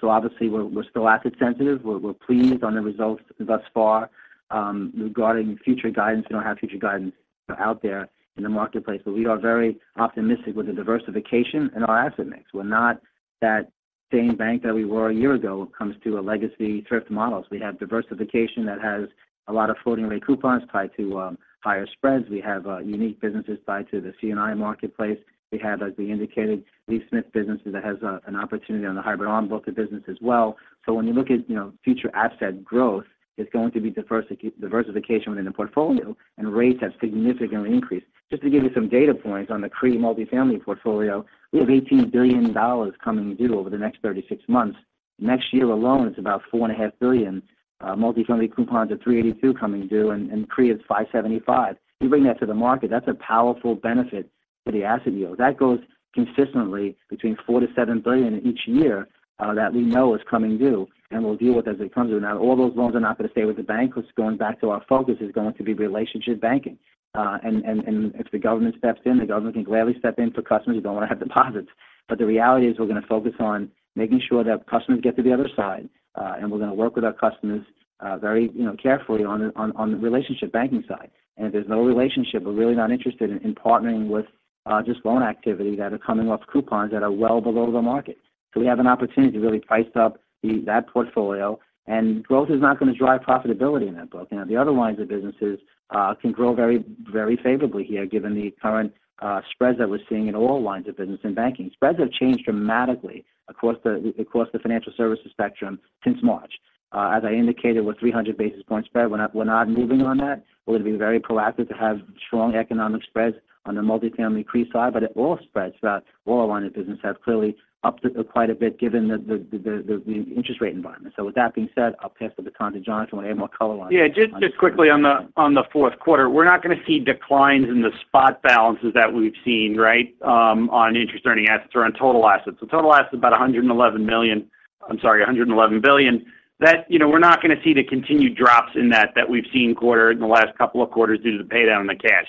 So obviously, we're, we're still asset sensitive. We're, we're pleased on the results thus far. Regarding future guidance, we don't have future guidance out there in the marketplace, but we are very optimistic with the diversification in our asset mix. We're not that same bank that we were a year ago when it comes to a legacy thrift models. We have diversification that has a lot of floating rate coupons tied to higher spreads. We have unique businesses tied to the C&I marketplace. We have, as we indicated, Lee Smith's businesses that has an opportunity on the hybrid ARM book of business as well. So when you look at, you know, future asset growth, it's going to be diversification within the portfolio and rates have significantly increased. Just to give you some data points on the CRE multifamily portfolio, we have $18 billion coming due over the next 36 months. Next year alone, it's about $4.5 billion, multifamily coupons of 3.82 coming due, and CRE is 5.75. You bring that to the market, that's a powerful benefit for the asset yield. That goes consistently between $4-$7 billion each year, that we know is coming due, and we'll deal with as it comes due. Not all those loans are not going to stay with the bank, because going back to our focus is going to be relationship banking. and if the government steps in, the government can gladly step in for customers who don't want to have deposits. But the reality is, we're going to focus on making sure that customers get to the other side, and we're going to work with our customers, very, you know, carefully on the relationship banking side. And if there's no relationship, we're really not interested in partnering with just loan activity that are coming off coupons that are well below the market. So we have an opportunity to really price up that portfolio, and growth is not going to drive profitability in that book. Now, the other lines of businesses can grow very, very favorably here, given the current spreads that we're seeing in all lines of business and banking. Spreads have changed dramatically across the financial services spectrum since March. As I indicated, with 300 basis point spread, we're not moving on that. We're going to be very proactive to have strong economic spreads on the multifamily CRE side, but it all spreads. That all our line of business has clearly upped it quite a bit given the interest rate environment. So with that being said, I'll pass the baton to John to add more color Yeah, just quickly on the Q4. We're not going to see declines in the spot balances that we've seen, right? On interest-earning assets or on total assets. So total assets is about $111 billion. That, you know, we're not going to see the continued drops in that that we've seen in the last couple of quarters due to the pay down in the cash.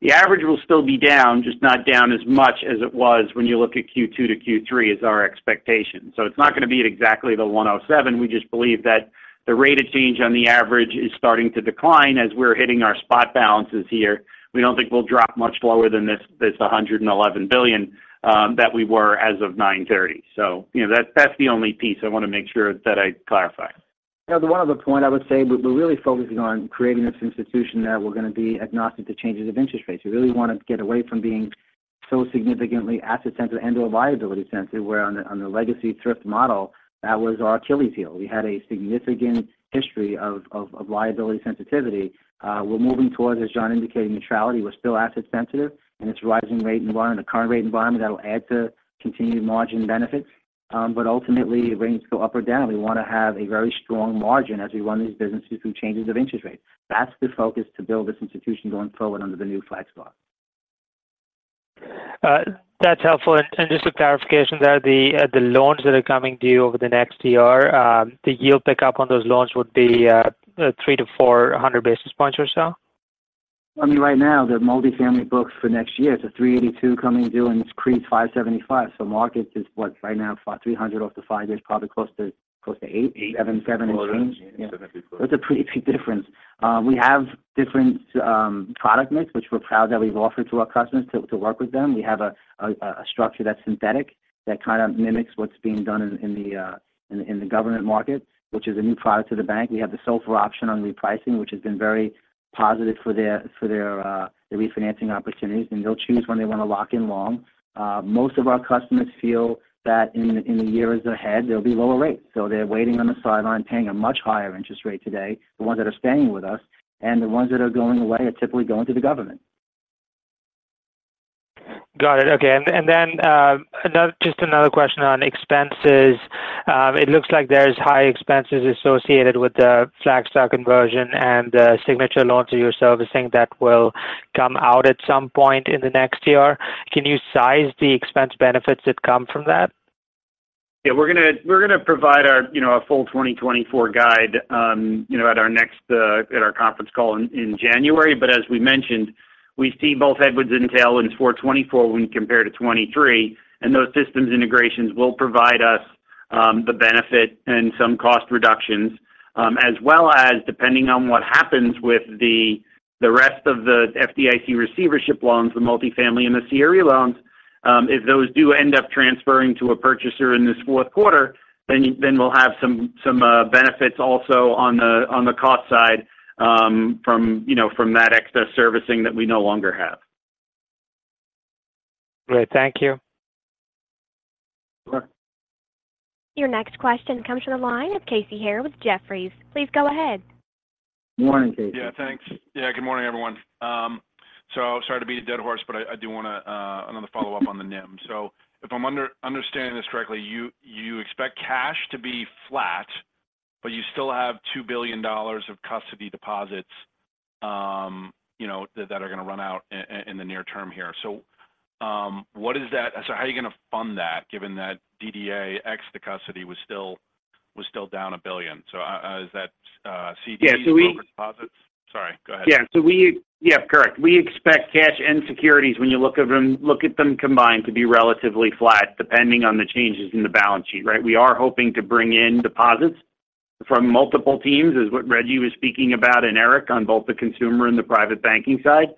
The average will still be down, just not down as much as it was when you look at Q2 to Q3 as our expectation. So it's not going to be at exactly the $107 billion. We just believe that the rate of change on the average is starting to decline as we're hitting our spot balances here. We don't think we'll drop much lower than this, this $111 billion that we were as of 9/30. So you know, that's, that's the only piece I want to make sure that I clarify. The one other point I would say, we're really focusing on creating this institution that we're going to be agnostic to changes of interest rates. We really want to get away from being so significantly asset sensitive and/or liability sensitive, where on the legacy thrift model, that was our Achilles heel. We had a significant history of liability sensitivity. We're moving towards, as John indicated, neutrality. We're still asset sensitive, and it's rising rate environment. The current rate environment that will add to continued margin benefits. But ultimately, rates go up or down. We want to have a very strong margin as we run these businesses through changes of interest rates. That's the focus to build this institution going forward under the new Flagstar. That's helpful. And, and just a clarification there, the loans that are coming due over the next year, the yield pickup on those loans would be 300-400 basis points or so? I mean, right now, the multifamily books for next year is a 3.82% coming due, and its CRE is 5.75%. Markets is what? Right now, about 300 basis points off to five years, probably close to, close to Yeah. It's a pretty big difference. We have different product mix, which we're proud that we've offered to our customers to work with them. We have a structure that's synthetic, that kind of mimics what's being done in the government market, which is a new product to the bank. We have the SOFR option on repricing, which has been very positive for their refinancing opportunities, and they'll choose when they want to lock in long. Most of our customers feel that in the years ahead, there'll be lower rates. So they're waiting on the sideline, paying a much higher interest rate today, the ones that are staying with us, and the ones that are going away are typically going to the government. Got it. Okay. And then, another, just another question on expenses. It looks like there's high expenses associated with the Flagstar conversion and the Signature loan portfolio servicing that will come out at some point in the next year. Can you size the expense benefits that come from that? Yeah, we're going to provide our, you know, a full 2024 guide, you know, at our next conference call in January. But as we mentioned, we see both headwinds and tailwinds for 2024 when compared to 2023, and those systems integrations will provide us the benefit and some cost reductions, as well as depending on what happens with the rest of the FDIC receivership loans, the multifamily and the CRE loans. If those do end up transferring to a purchaser in this Q4, then we'll have some benefits also on the cost side, from, you know, from that excess servicing that we no longer have. Great. Thank you. Sure. Your next question comes from the line of Casey Haire with Jefferies. Please go ahead. Morning, Casey. Yeah, thanks. Yeah, good morning, everyone. So sorry to beat a dead horse, but I do want to another follow-up on the NIM. So if I'm understanding this correctly, you expect cash to be flat, but you still have $2 billion of custody deposits, you know, that are going to run out in the near term here. So, what is that? So how are you going to fund that, given that DDA ex the custody was still down $1 billion? So, is that CD- Yeah, so we- Deposits? Sorry, go ahead. Yeah. So yeah, correct. We expect cash and securities, when you look at them, look at them combined, to be relatively flat, depending on the changes in the balance sheet, right? We are hoping to bring in deposits from multiple teams, is what Reggie was speaking about, and Eric, on both the consumer and the private banking side.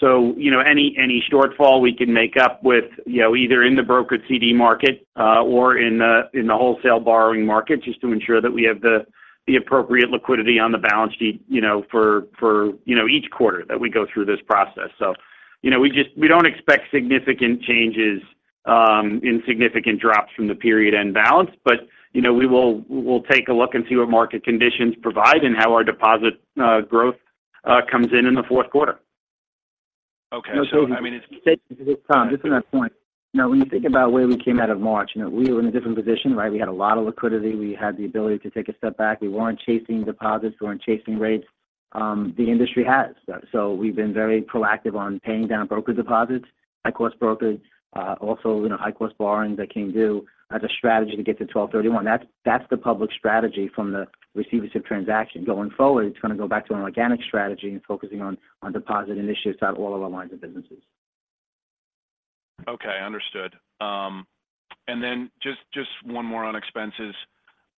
So you know, any shortfall we can make up with, you know, either in the brokered CD market, or in the wholesale borrowing market, just to ensure that we have the appropriate liquidity on the balance sheet, you know, for you know, each quarter that we go through this process. So, you know, we just, we don't expect significant changes in significant drops from the period end balance, but, you know, we'll take a look and see what market conditions provide and how our deposit growth comes in in the Q4. Okay. So, I mean, it's- Tom, just on that point. Now, when you think about where we came out of March, you know, we were in a different position, right? We had a lot of liquidity. We had the ability to take a step back. We weren't chasing deposits. We weren't chasing rates. So we've been very proactive on paying down broker deposits, high-cost brokers, also, you know, high-cost borrowings that came due as a strategy to get to 12/31. That's, that's the public strategy from the receivership transaction. Going forward, it's going to go back to an organic strategy and focusing on, on deposit initiatives out all of our lines of businesses. Okay, understood. Then just one more on expenses.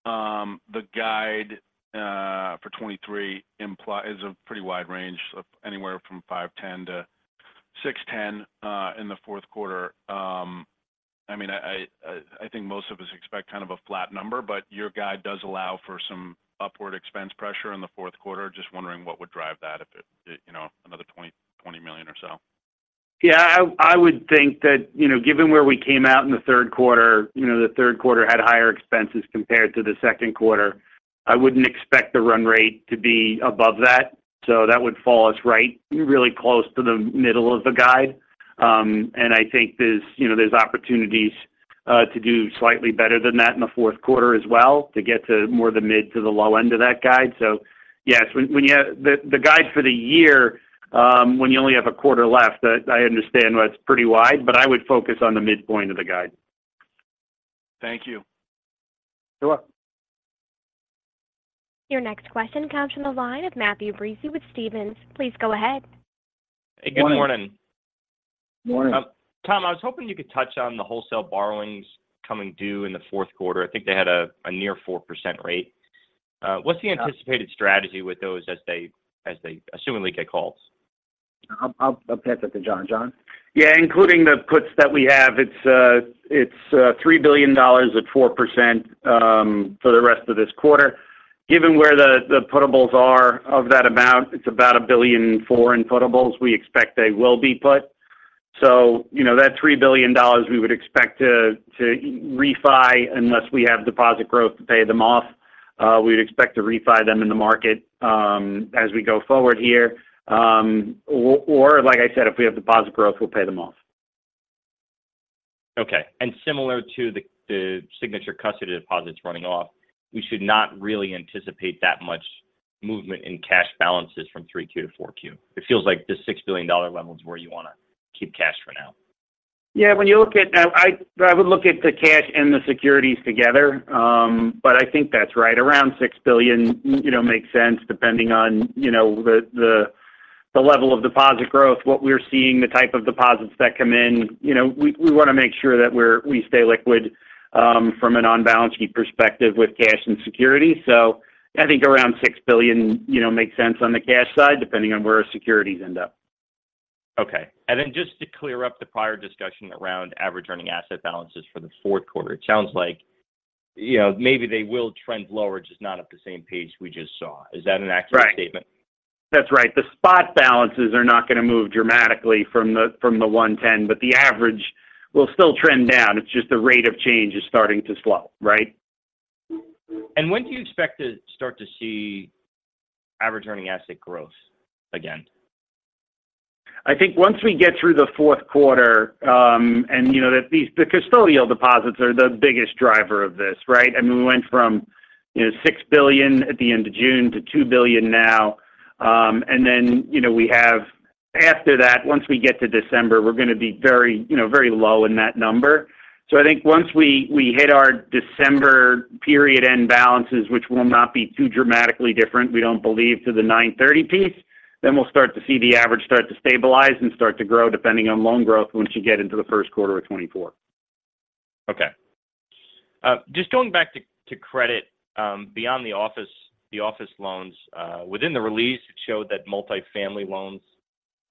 The guide for 2023 implies a pretty wide range of anywhere from $510-$610 in the Q4. I mean, I think most of us expect kind of a flat number, but your guide does allow for some upward expense pressure in the Q4. Just wondering what would drive that if it, you know, another $20 million or so? Yeah, I would think that, you know, given where we came out in the Q3, you know, the Q3 had higher expenses compared to the Q2. I wouldn't expect the run rate to be above that, so that would fall us right, really close to the middle of the guide. And I think there's, you know, opportunities to do slightly better than that in the Q4 as well, to get to more the mid to the low end of that guide. So yes, when you have the guide for the year, when you only have a quarter left, I understand why it's pretty wide, but I would focus on the midpoint of the guide. Thank you. You're welcome. Your next question comes from the line of Matthew Breese with Stephens. Please go ahead. Good morning. Morning. Tom, I was hoping you could touch on the wholesale borrowings coming due in the Q4. I think they had a near 4% rate. What's the anticipated strategy with those as they seemingly get calls? I'll pass that to John. John? Yeah, including the puts that we have, it's three billion dollars at 4%, for the rest of this quarter. Given where the portables are of that amount, it's about a billion and four in portables. We expect they will be put. So, you know, that three billion dollars we would expect to refi unless we have deposit growth to pay them off. We'd expect to refi them in the market, as we go forward here. Or like I said, if we have deposit growth, we'll pay them off. Okay. And similar to the Signature custody deposits running off, we should not really anticipate that much movement in cash balances from 3Q to 4Q. It feels like the $6 billion level is where you want to keep cash for now. Yeah, when you look at—I would look at the cash and the securities together, but I think that's right, around $6 billion, you know, makes sense depending on, you know, the level of deposit growth, what we're seeing, the type of deposits that come in. You know, we want to make sure that we're—we stay liquid, from an on-balance sheet perspective with cash and security. So I think around $6 billion, you know, makes sense on the cash side, depending on where our securities end up. Okay. And then just to clear up the prior discussion around average earning asset balances for the Q4, it sounds like, you know, maybe they will trend lower, just not at the same pace we just saw. Is that an accurate statement? Right. That's right. The spot balances are not going to move dramatically from the $110, but the average will still trend down. It's just the rate of change is starting to slow. Right? When do you expect to start to see average earning asset growth again? I think once we get through the Q4, and you know, that these custodial deposits are the biggest driver of this, right? I mean, we went from, you know, $6 billion at the end of June to $2 billion now. And then, you know, we have after that, once we get to December, we're going to be very, you know, very low in that number. So I think once we hit our December period end balances, which will not be too dramatically different, we don't believe, to the 9/30 piece, then we'll start to see the average start to stabilize and start to grow, depending on loan growth, once you get into the Q1 of 2024. Okay. Just going back to credit, beyond the office, the office loans. Within the release, it showed that multifamily loans,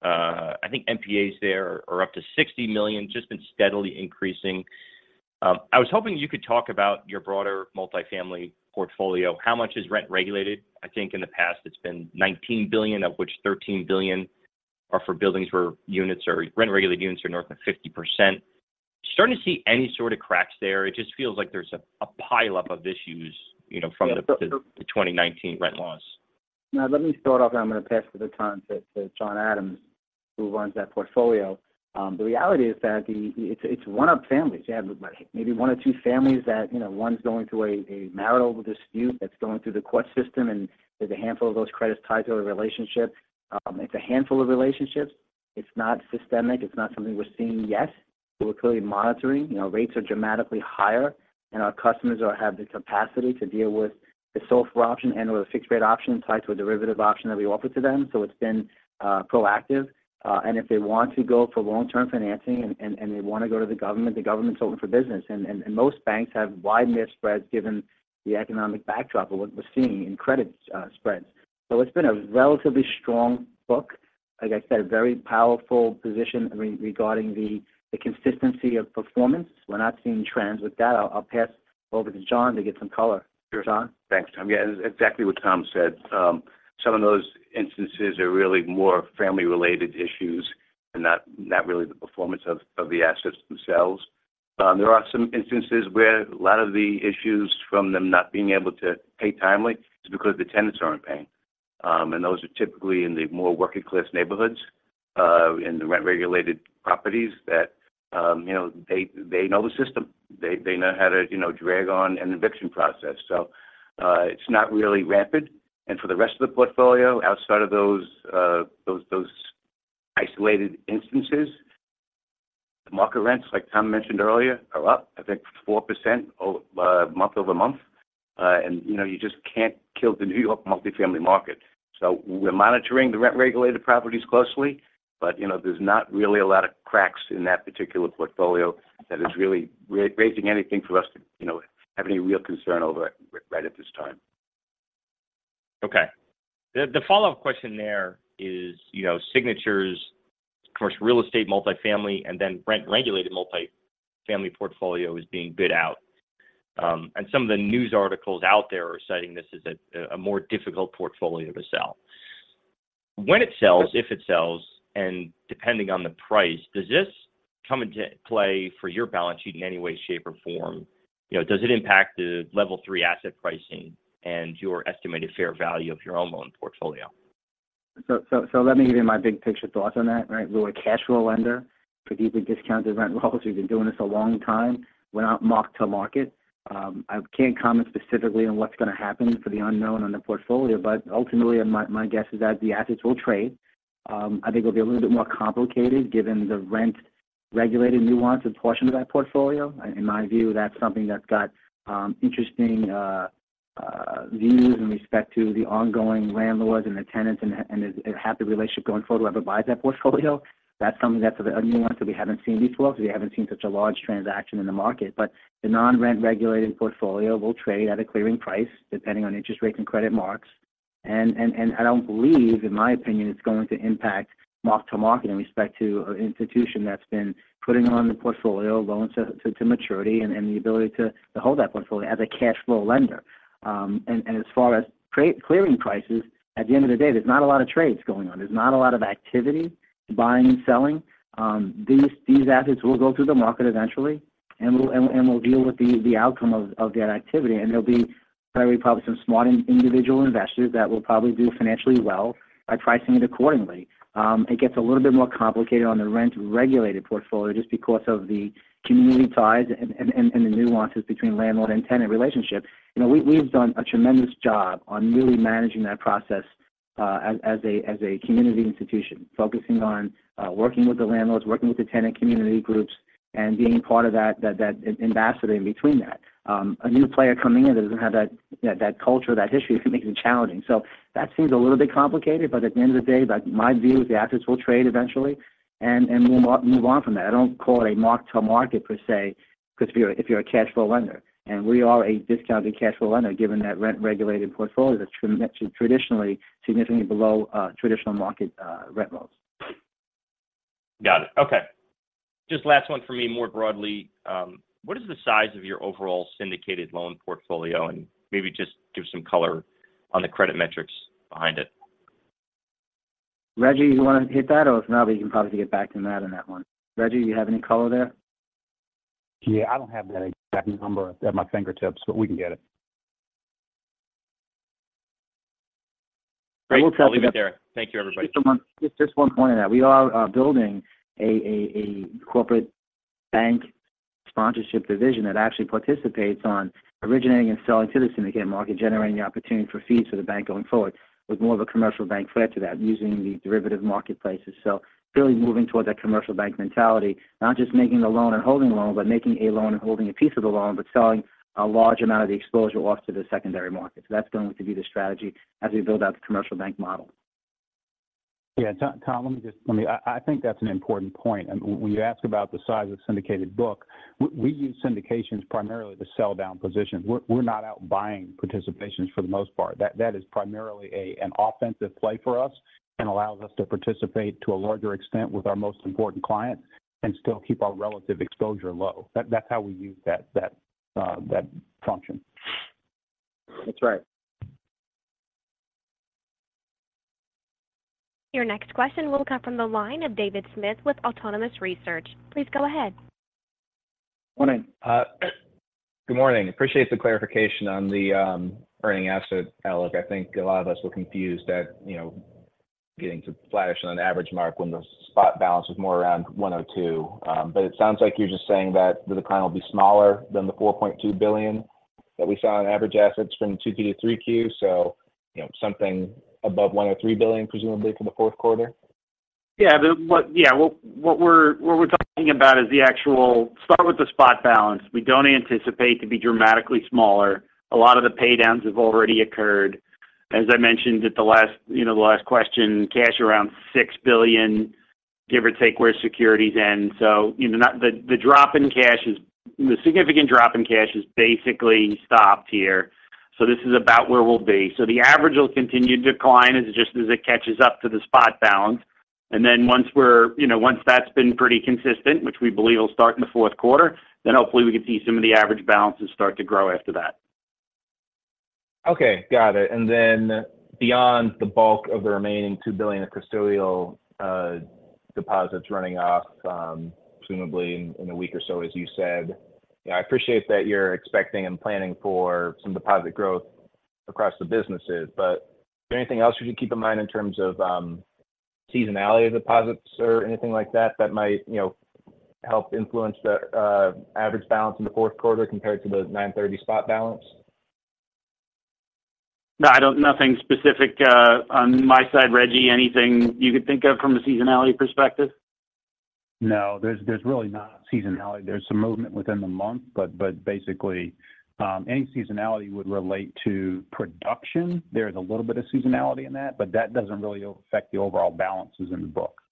I think NPAs there are up to $60 million, just been steadily increasing. I was hoping you could talk about your broader multifamily portfolio. How much is rent-regulated? I think in the past it's been $19 billion, of which $13 billion are for buildings where units or rent-regulated units are north of 50%. Starting to see any sort of cracks there? It just feels like there's a pileup of issues, you know, from the 2019 rent laws. Now, let me start off, and I'm going to pass the time to John Adams, who runs that portfolio. The reality is that it's one-off families And most banks have widened their spreads given the economic backdrop of what we're seeing in credit spreads. So it's been a relatively strong book. Like I said, a very powerful position regarding the consistency of performance. We're not seeing trends with that. I'll pass over to John to get some color. Sure. John? Thanks, Tom. Yeah, exactly what Tom said. Some of those instances are really more family-related issues and not really the performance of the assets themselves. There are some instances where a lot of the issues from them not being able to pay timely is because the tenants aren't paying. And those are typically in the more working-class neighborhoods, in the rent-regulated properties that, you know, they know the system. They know how to, you know, drag on an eviction process. So, it's not really rapid. And for the rest of the portfolio, outside of those isolated instances, the market rents, like Tom mentioned earlier, are up, I think, 4% month-over-month. And, you know, you just can't kill the New York multifamily market. So we're monitoring the rent-regulated properties closely, but, you know, there's not really a lot of cracks in that particular portfolio that is really raising anything for us to, you know, have any real concern over it right at this time. Okay. The follow-up question there is, you know, Signature's, of course, real estate multifamily, and then rent-regulated multifamily portfolio is being bid out and some of the news articles out there are citing this as a more difficult portfolio to sell. When it sells, if it sells, and depending on the price, does this come into play for your balance sheet in any way, shape, or form? You know, does it impact the level three asset pricing and your estimated fair value of your own loan portfolio? Let me give you my big picture thoughts on that, right? We're a cash flow lender for deeply discounted rent rolls. We've been doing this a long time. We're not mark to market. I can't comment specifically on what's going to happen for the unknown on the portfolio, but ultimately, my guess is that the assets will trade. I think it'll be a little bit more complicated given the rent-regulated nuance and portion of that portfolio. In my view, that's something that's got interesting views in respect to the ongoing landlords and the tenants and a happy relationship going forward, whoever buys that portfolio. That's something that's a nuance that we haven't seen before because we haven't seen such a large transaction in the market. But the non-rent-regulated portfolio will trade at a clearing price, depending on interest rates and credit marks. And I don't believe, in my opinion, it's going to impact mark to market in respect to an institution that's been putting on the portfolio loans to maturity and the ability to hold that portfolio as a cash flow lender. And as far as trade-clearing prices, at the end of the day, there's not a lot of trades going on. There's not a lot of activity, buying and selling. These assets will go through the market eventually, and we'll deal with the outcome of that activity. And there'll be probably some smart individual investors that will probably do financially well by pricing it accordingly. It gets a little bit more complicated on the rent-regulated portfolio just because of the community ties and the nuances between landlord and tenant relationship. You know, we've done a tremendous job on really managing that process, as a community institution, focusing on working with the landlords, working with the tenant community groups, and being part of that ambassador in between that. A new player coming in that doesn't have that, you know, that culture, that history, can make it challenging. So that seems a little bit complicated, but at the end of the day, like, my view is the assets will trade eventually, and we'll move on from that. I don't call it a mark to market per se, because if you're, if you're a cash flow lender, and we are a discounted cash flow lender, given that rent-regulated portfolio, that's traditionally significantly below, traditional market, rent rolls. Got it. Okay. Just last one for me, more broadly, what is the size of your overall syndicated loan portfolio? And maybe just give some color on the credit metrics behind it. Reggie, you want to hit that? Or if not, we can probably get back to that on that one. Reggie, you have any color there? Yeah. I don't have that exact number at my fingertips, but we can get it. Great. I will tell you- I'll leave it there. Thank you, everybody. Just one point on that. We are building a corporate bank sponsorship division that actually participates on originating and selling to the syndicated market, generating the opportunity for fees for the bank going forward, with more of a commercial bank flair to that, using the derivative marketplaces. So really moving towards that commercial bank mentality, not just making a loan and holding a loan, but making a loan and holding a piece of the loan, but selling a large amount of the exposure off to the secondary market. So that's going to be the strategy as we build out the commercial bank model. Yeah. Tom, Tom, let me just... Let me—I think that's an important point. When you ask about the size of syndicated book, we use syndications primarily to sell down positions. We're not out buying participations for the most part. That is primarily an offensive play for us and allows us to participate to a larger extent with our most important clients and still keep our relative exposure low. That's how we use that function. That's right. Your next question will come from the line of David Smith with Autonomous Research. Please go ahead. Morning. Good morning. Appreciate the clarification on the earning asset outlook. I think a lot of us were confused that, you know, getting to flattish on an average mark when the spot balance was more around 1 or 2. But it sounds like you're just saying that the decline will be smaller than the $4.2 billion that we saw in average assets from 2Q to 3Q, so, you know, something above $1 or $3 billion, presumably for the Q4? Yeah. What we're talking about is the actual spot balance. We don't anticipate to be dramatically smaller. A lot of the pay downs have already occurred. As I mentioned at the last, you know, the last question, cash around $6 billion, give or take, where securities end. So, you know, the significant drop in cash is basically stopped here. So this is about where we'll be. So the average will continue to decline as it catches up to the spot balance. And then once that's been pretty consistent, you know, which we believe will start in the Q4, then hopefully we can see some of the average balances start to grow after that. Okay, got it. And then beyond the bulk of the remaining $2 billion of custodial deposits running off, presumably in a week or so, as you said, I appreciate that you're expecting and planning for some deposit growth across the businesses, but is there anything else we should keep in mind in terms of seasonality of deposits or anything like that, that might, you know, help influence the average balance in the Q4 compared to the 9/30 spot balance? No, I don't... Nothing specific, on my side. Reggie, anything you could think of from a seasonality perspective? No, there's really not seasonality. There's some movement within the month, but basically, any seasonality would relate to production. There is a little bit of seasonality in that, but that doesn't really affect the overall balances in the book.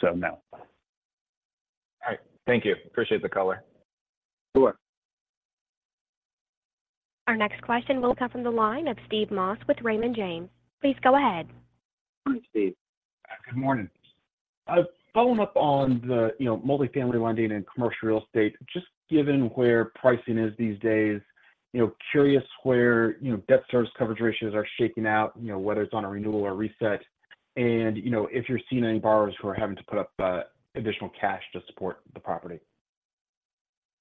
So no. All right. Thank you. Appreciate the color. Sure. Our next question will come from the line of Steve Moss with Raymond James. Please go ahead. Hi, Steve. Good morning. A follow-up on the, you know, multifamily lending and commercial real estate. Just given where pricing is these days, you know, curious where, you know, debt service coverage ratios are shaking out, you know, whether it's on a renewal or reset, and, you know, if you're seeing any borrowers who are having to put up additional cash to support the property.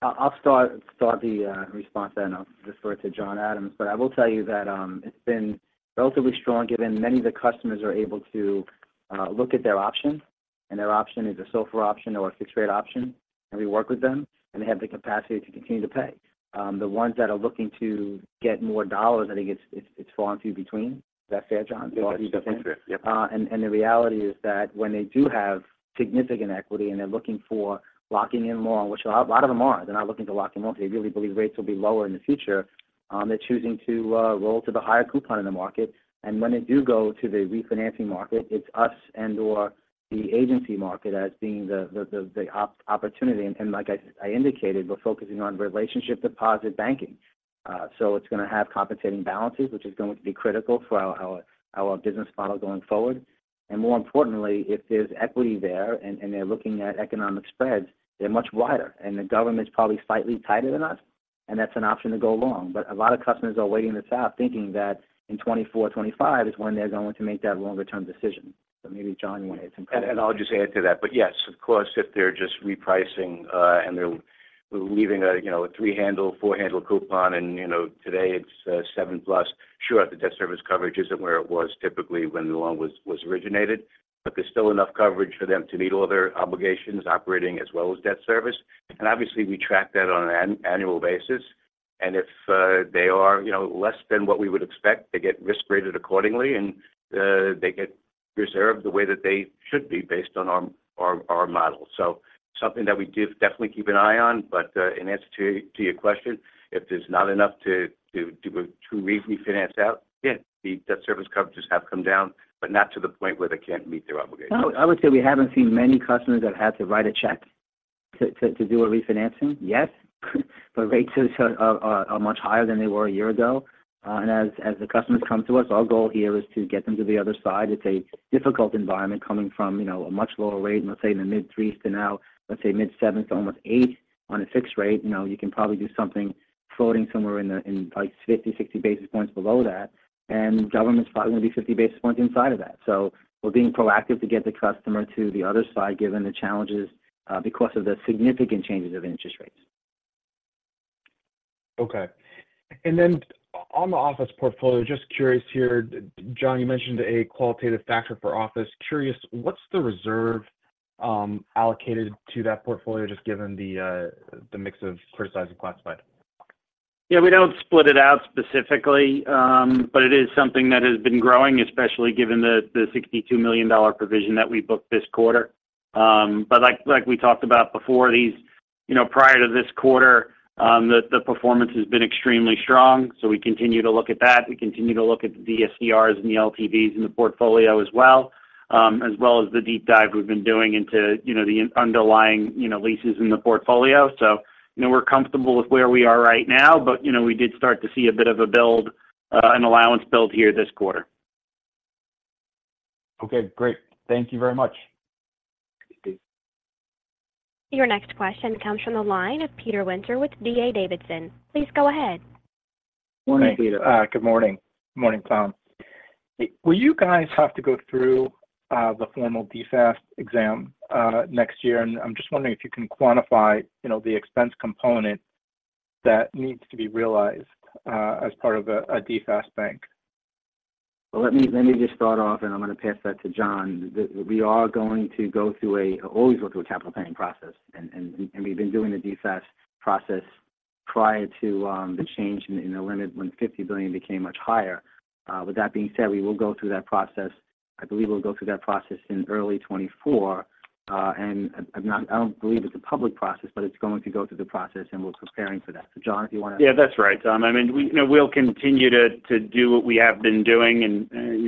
I'll start the response, then I'll defer to John Adams. But I will tell you that it's been relatively strong, given many of the customers are able to look at their options, and their option is a SOFR option or a fixed-rate option, and we work with them, and they have the capacity to continue to pay. The ones that are looking to get more dollars, I think it's falling through between. Is that fair, John?... Yep. And the reality is that when they do have significant equity and they're looking for locking in more, which a lot of them are, they're not looking to lock in more. They really believe rates will be lower in the future. They're choosing to roll to the higher coupon in the market. And when they do go to the refinancing market, it's us and/or the agency market as being the opportunity. And like I indicated, we're focusing on relationship deposit banking. So it's going to have compensating balances, which is going to be critical for our business model going forward. And more importantly, if there's equity there and they're looking at economic spreads, they're much wider, and the government's probably slightly tighter than us, and that's an option to go along. But a lot of customers are waiting this out, thinking that in 2024, 2025 is when they're going to make that longer-term decision. So maybe John, you want to comment. I'll just add to that. But yes, of course, if they're just repricing, and they're leaving a, you know, a three-handle, four-handle coupon, and, you know, today it's seven plus, sure, the debt service coverage isn't where it was typically when the loan was originated. But there's still enough coverage for them to meet all their obligations, operating as well as debt service. And obviously, we track that on an annual basis, and if they are, you know, less than what we would expect, they get risk-graded accordingly, and they get reserved the way that they should be based on our model. So something that we do definitely keep an eye on, but in answer to your question, if there's not enough to re-refinance out, yeah, the debt service coverages have come down, but not to the point where they can't meet their obligations. I would say we haven't seen many customers that had to write a check to do a refinancing. Yes, but rates are much higher than they were a year ago. And as the customers come to us, our goal here is to get them to the other side. It's a difficult environment coming from, you know, a much lower rate, let's say in the mid-3s to now, let's say mid-7s to almost 8 on a fixed rate. You know, you can probably do something floating somewhere in like 50, 60 basis points below that, and government's probably going to be 50 basis points inside of that. So we're being proactive to get the customer to the other side, given the challenges, because of the significant changes of interest rates. Okay. And then on the office portfolio, just curious here, John, you mentioned a qualitative factor for office. Curious, what's the reserve allocated to that portfolio, just given the mix of criticized and classified? Yeah, we don't split it out specifically, but it is something that has been growing, especially given the $62 million provision that we booked this quarter. But like we talked about before, these... You know, prior to this quarter, the performance has been extremely strong, so we continue to look at that. We continue to look at the DSCRs and the LTVs in the portfolio as well, as well as the deep dive we've been doing into, you know, the underlying, you know, leases in the portfolio. So, you know, we're comfortable with where we are right now, but, you know, we did start to see a bit of a build, an allowance build here this quarter. Okay, great. Thank you very much. Thank you. Your next question comes from the line of Peter Winter with DA Davidson. Please go ahead. Morning, Peter. Good morning. Good morning, Tom. Will you guys have to go through the formal DFAST exam next year? And I'm just wondering if you can quantify, you know, the expense component that needs to be realized as part of a DFAST bank. Well, let me, let me just start off, and I'm going to pass that to John. We are going to always go through a capital planning process, and we've been doing the DFAST process prior to the change in the limit when $50 billion became much higher. With that being said, we will go through that process. I believe we'll go through that process in early 2024. And I don't believe it's a public process, but it's going to go through the process, and we're preparing for that. So, John, if you want to- Yeah, that's right, Tom. I mean, we, you know, we'll continue to do what we have been doing and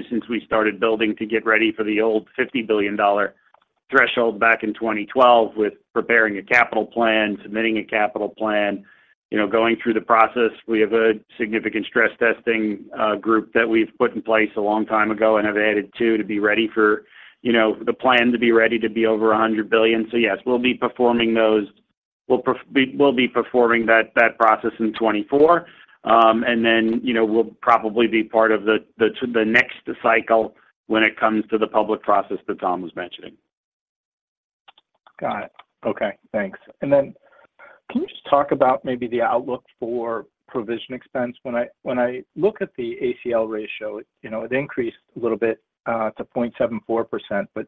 since we started building to get ready for the old $50 billion threshold back in 2012 with preparing a capital plan, submitting a capital plan, you know, going through the process. We have a significant stress testing group that we've put in place a long time ago and have added to, to be ready for, you know, the plan to be ready to be over $100 billion. So yes, we'll be performing those-- we will be performing that process in 2024. And then, you know, we'll probably be part of the next cycle when it comes to the public process that Tom was mentioning. Got it. Okay, thanks. Then can you just talk about maybe the outlook for provision expense? When I look at the ACL ratio, you know, it increased a little bit to 0.74%, but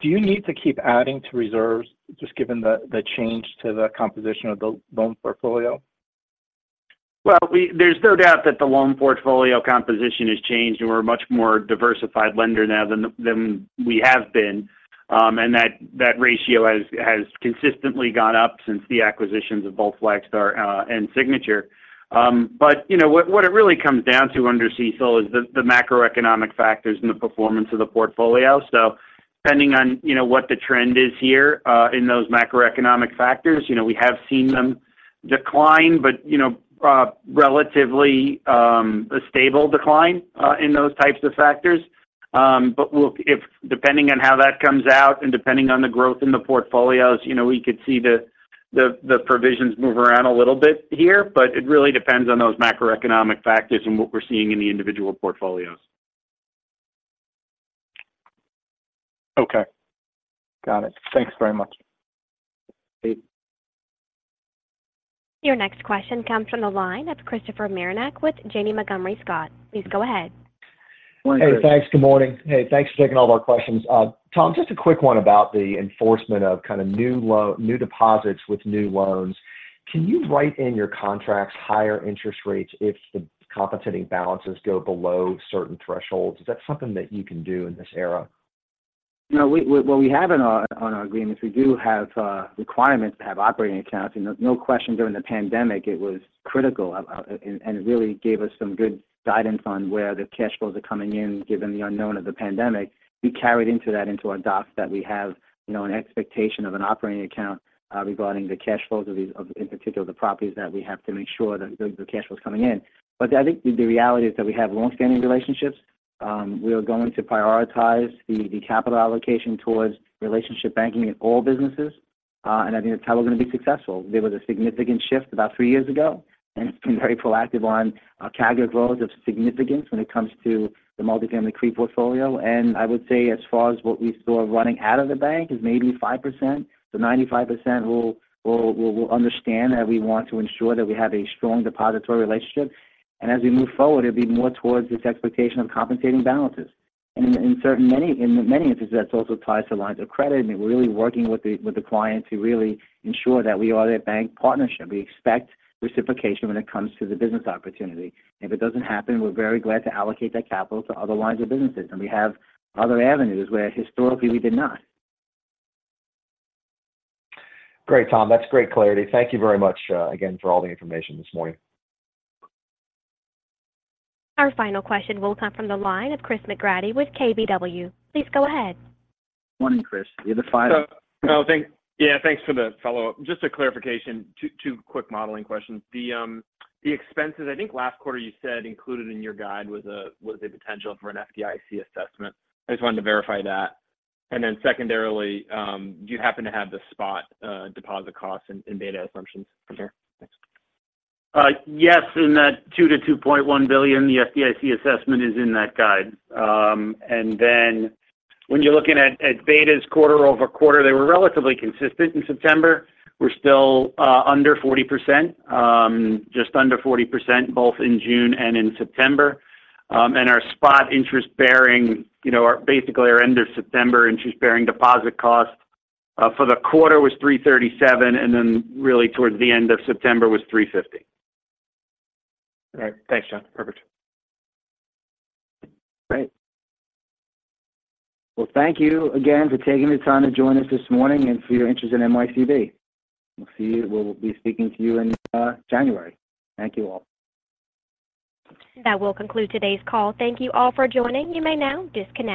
do you need to keep adding to reserves just given the change to the composition of the loan portfolio? Well, there's no doubt that the loan portfolio composition has changed, and we're a much more diversified lender now than we have been. And that ratio has consistently gone up since the acquisitions of both Flagstar and Signature. But you know, what it really comes down to under CECL is the macroeconomic factors and the performance of the portfolio. So, depending on, you know, what the trend is here in those macroeconomic factors. You know, we have seen them decline, but you know, relatively, a stable decline in those types of factors. But we'll, if depending on how that comes out and depending on the growth in the portfolios, you know, we could see the provisions move around a little bit here, but it really depends on those macroeconomic factors and what we're seeing in the individual portfolios. Okay. Got it. Thanks very much. Hey. Your next question comes from the line of Christopher Marinac with Janney Montgomery Scott. Please go ahead. Hey, thanks. Good morning. Hey, thanks for taking all of our questions. Tom, just a quick one about the enforcement of kind of new deposits with new loans. Can you write in your contracts higher interest rates if the compensating balances go below certain thresholds? Is that something that you can do in this era? No, what we have in our, on our agreements, we do have requirements to have operating accounts. You know, no question during the pandemic, it was critical, and it really gave us some good guidance on where the cash flows are coming in, given the unknown of the pandemic. We carried into that, into our docs, that we have, you know, an expectation of an operating account, regarding the cash flows of these, in particular, the properties that we have to make sure that the cash flow is coming in. But I think the reality is that we have long-standing relationships. We are going to prioritize the capital allocation towards relationship banking in all businesses, and I think that's how we're going to be successful. There was a significant shift about three years ago, and it's been very proactive on CAGR growth of significance when it comes to the multifamily CRE portfolio. I would say as far as what we saw running out of the bank is maybe 5%. The 95% will understand that we want to ensure that we have a strong depository relationship. And as we move forward, it'll be more towards this expectation of compensating balances. And in many instances, that also applies to lines of credit. I mean, we're really working with the client to really ensure that we are their bank partnership. We expect reciprocation when it comes to the business opportunity. If it doesn't happen, we're very glad to allocate that capital to other lines of businesses, and we have other avenues where historically we did not. Great, Tom. That's great clarity. Thank you very much, again, for all the information this morning. Our final question will come from the line of Chris McGratty with KBW. Please go ahead. Morning, Chris. You're the final. Yeah, thanks for the follow-up. Just a clarification, two quick modeling questions. The expenses, I think last quarter you said included in your guide was a potential for an FDIC assessment. I just wanted to verify that. And then secondarily, do you happen to have the spot deposit costs and beta assumptions here? Thanks. Yes, in that $2 billion-$2.1 billion, the FDIC assessment is in that guide. And then when you're looking at betas quarter-over-quarter, they were relatively consistent in September. We're still under 40%, just under 40%, both in June and in September. And our spot interest-bearing, you know, basically our end of September interest-bearing deposit cost for the quarter was 3.37%, and then really towards the end of September was 3.50%. All right. Thanks, John. Perfect. Great. Well, thank you again for taking the time to join us this morning and for your interest in NYCB. We'll see you. We'll be speaking to you in January. Thank you all. That will conclude today's call. Thank you all for joining. You may now disconnect.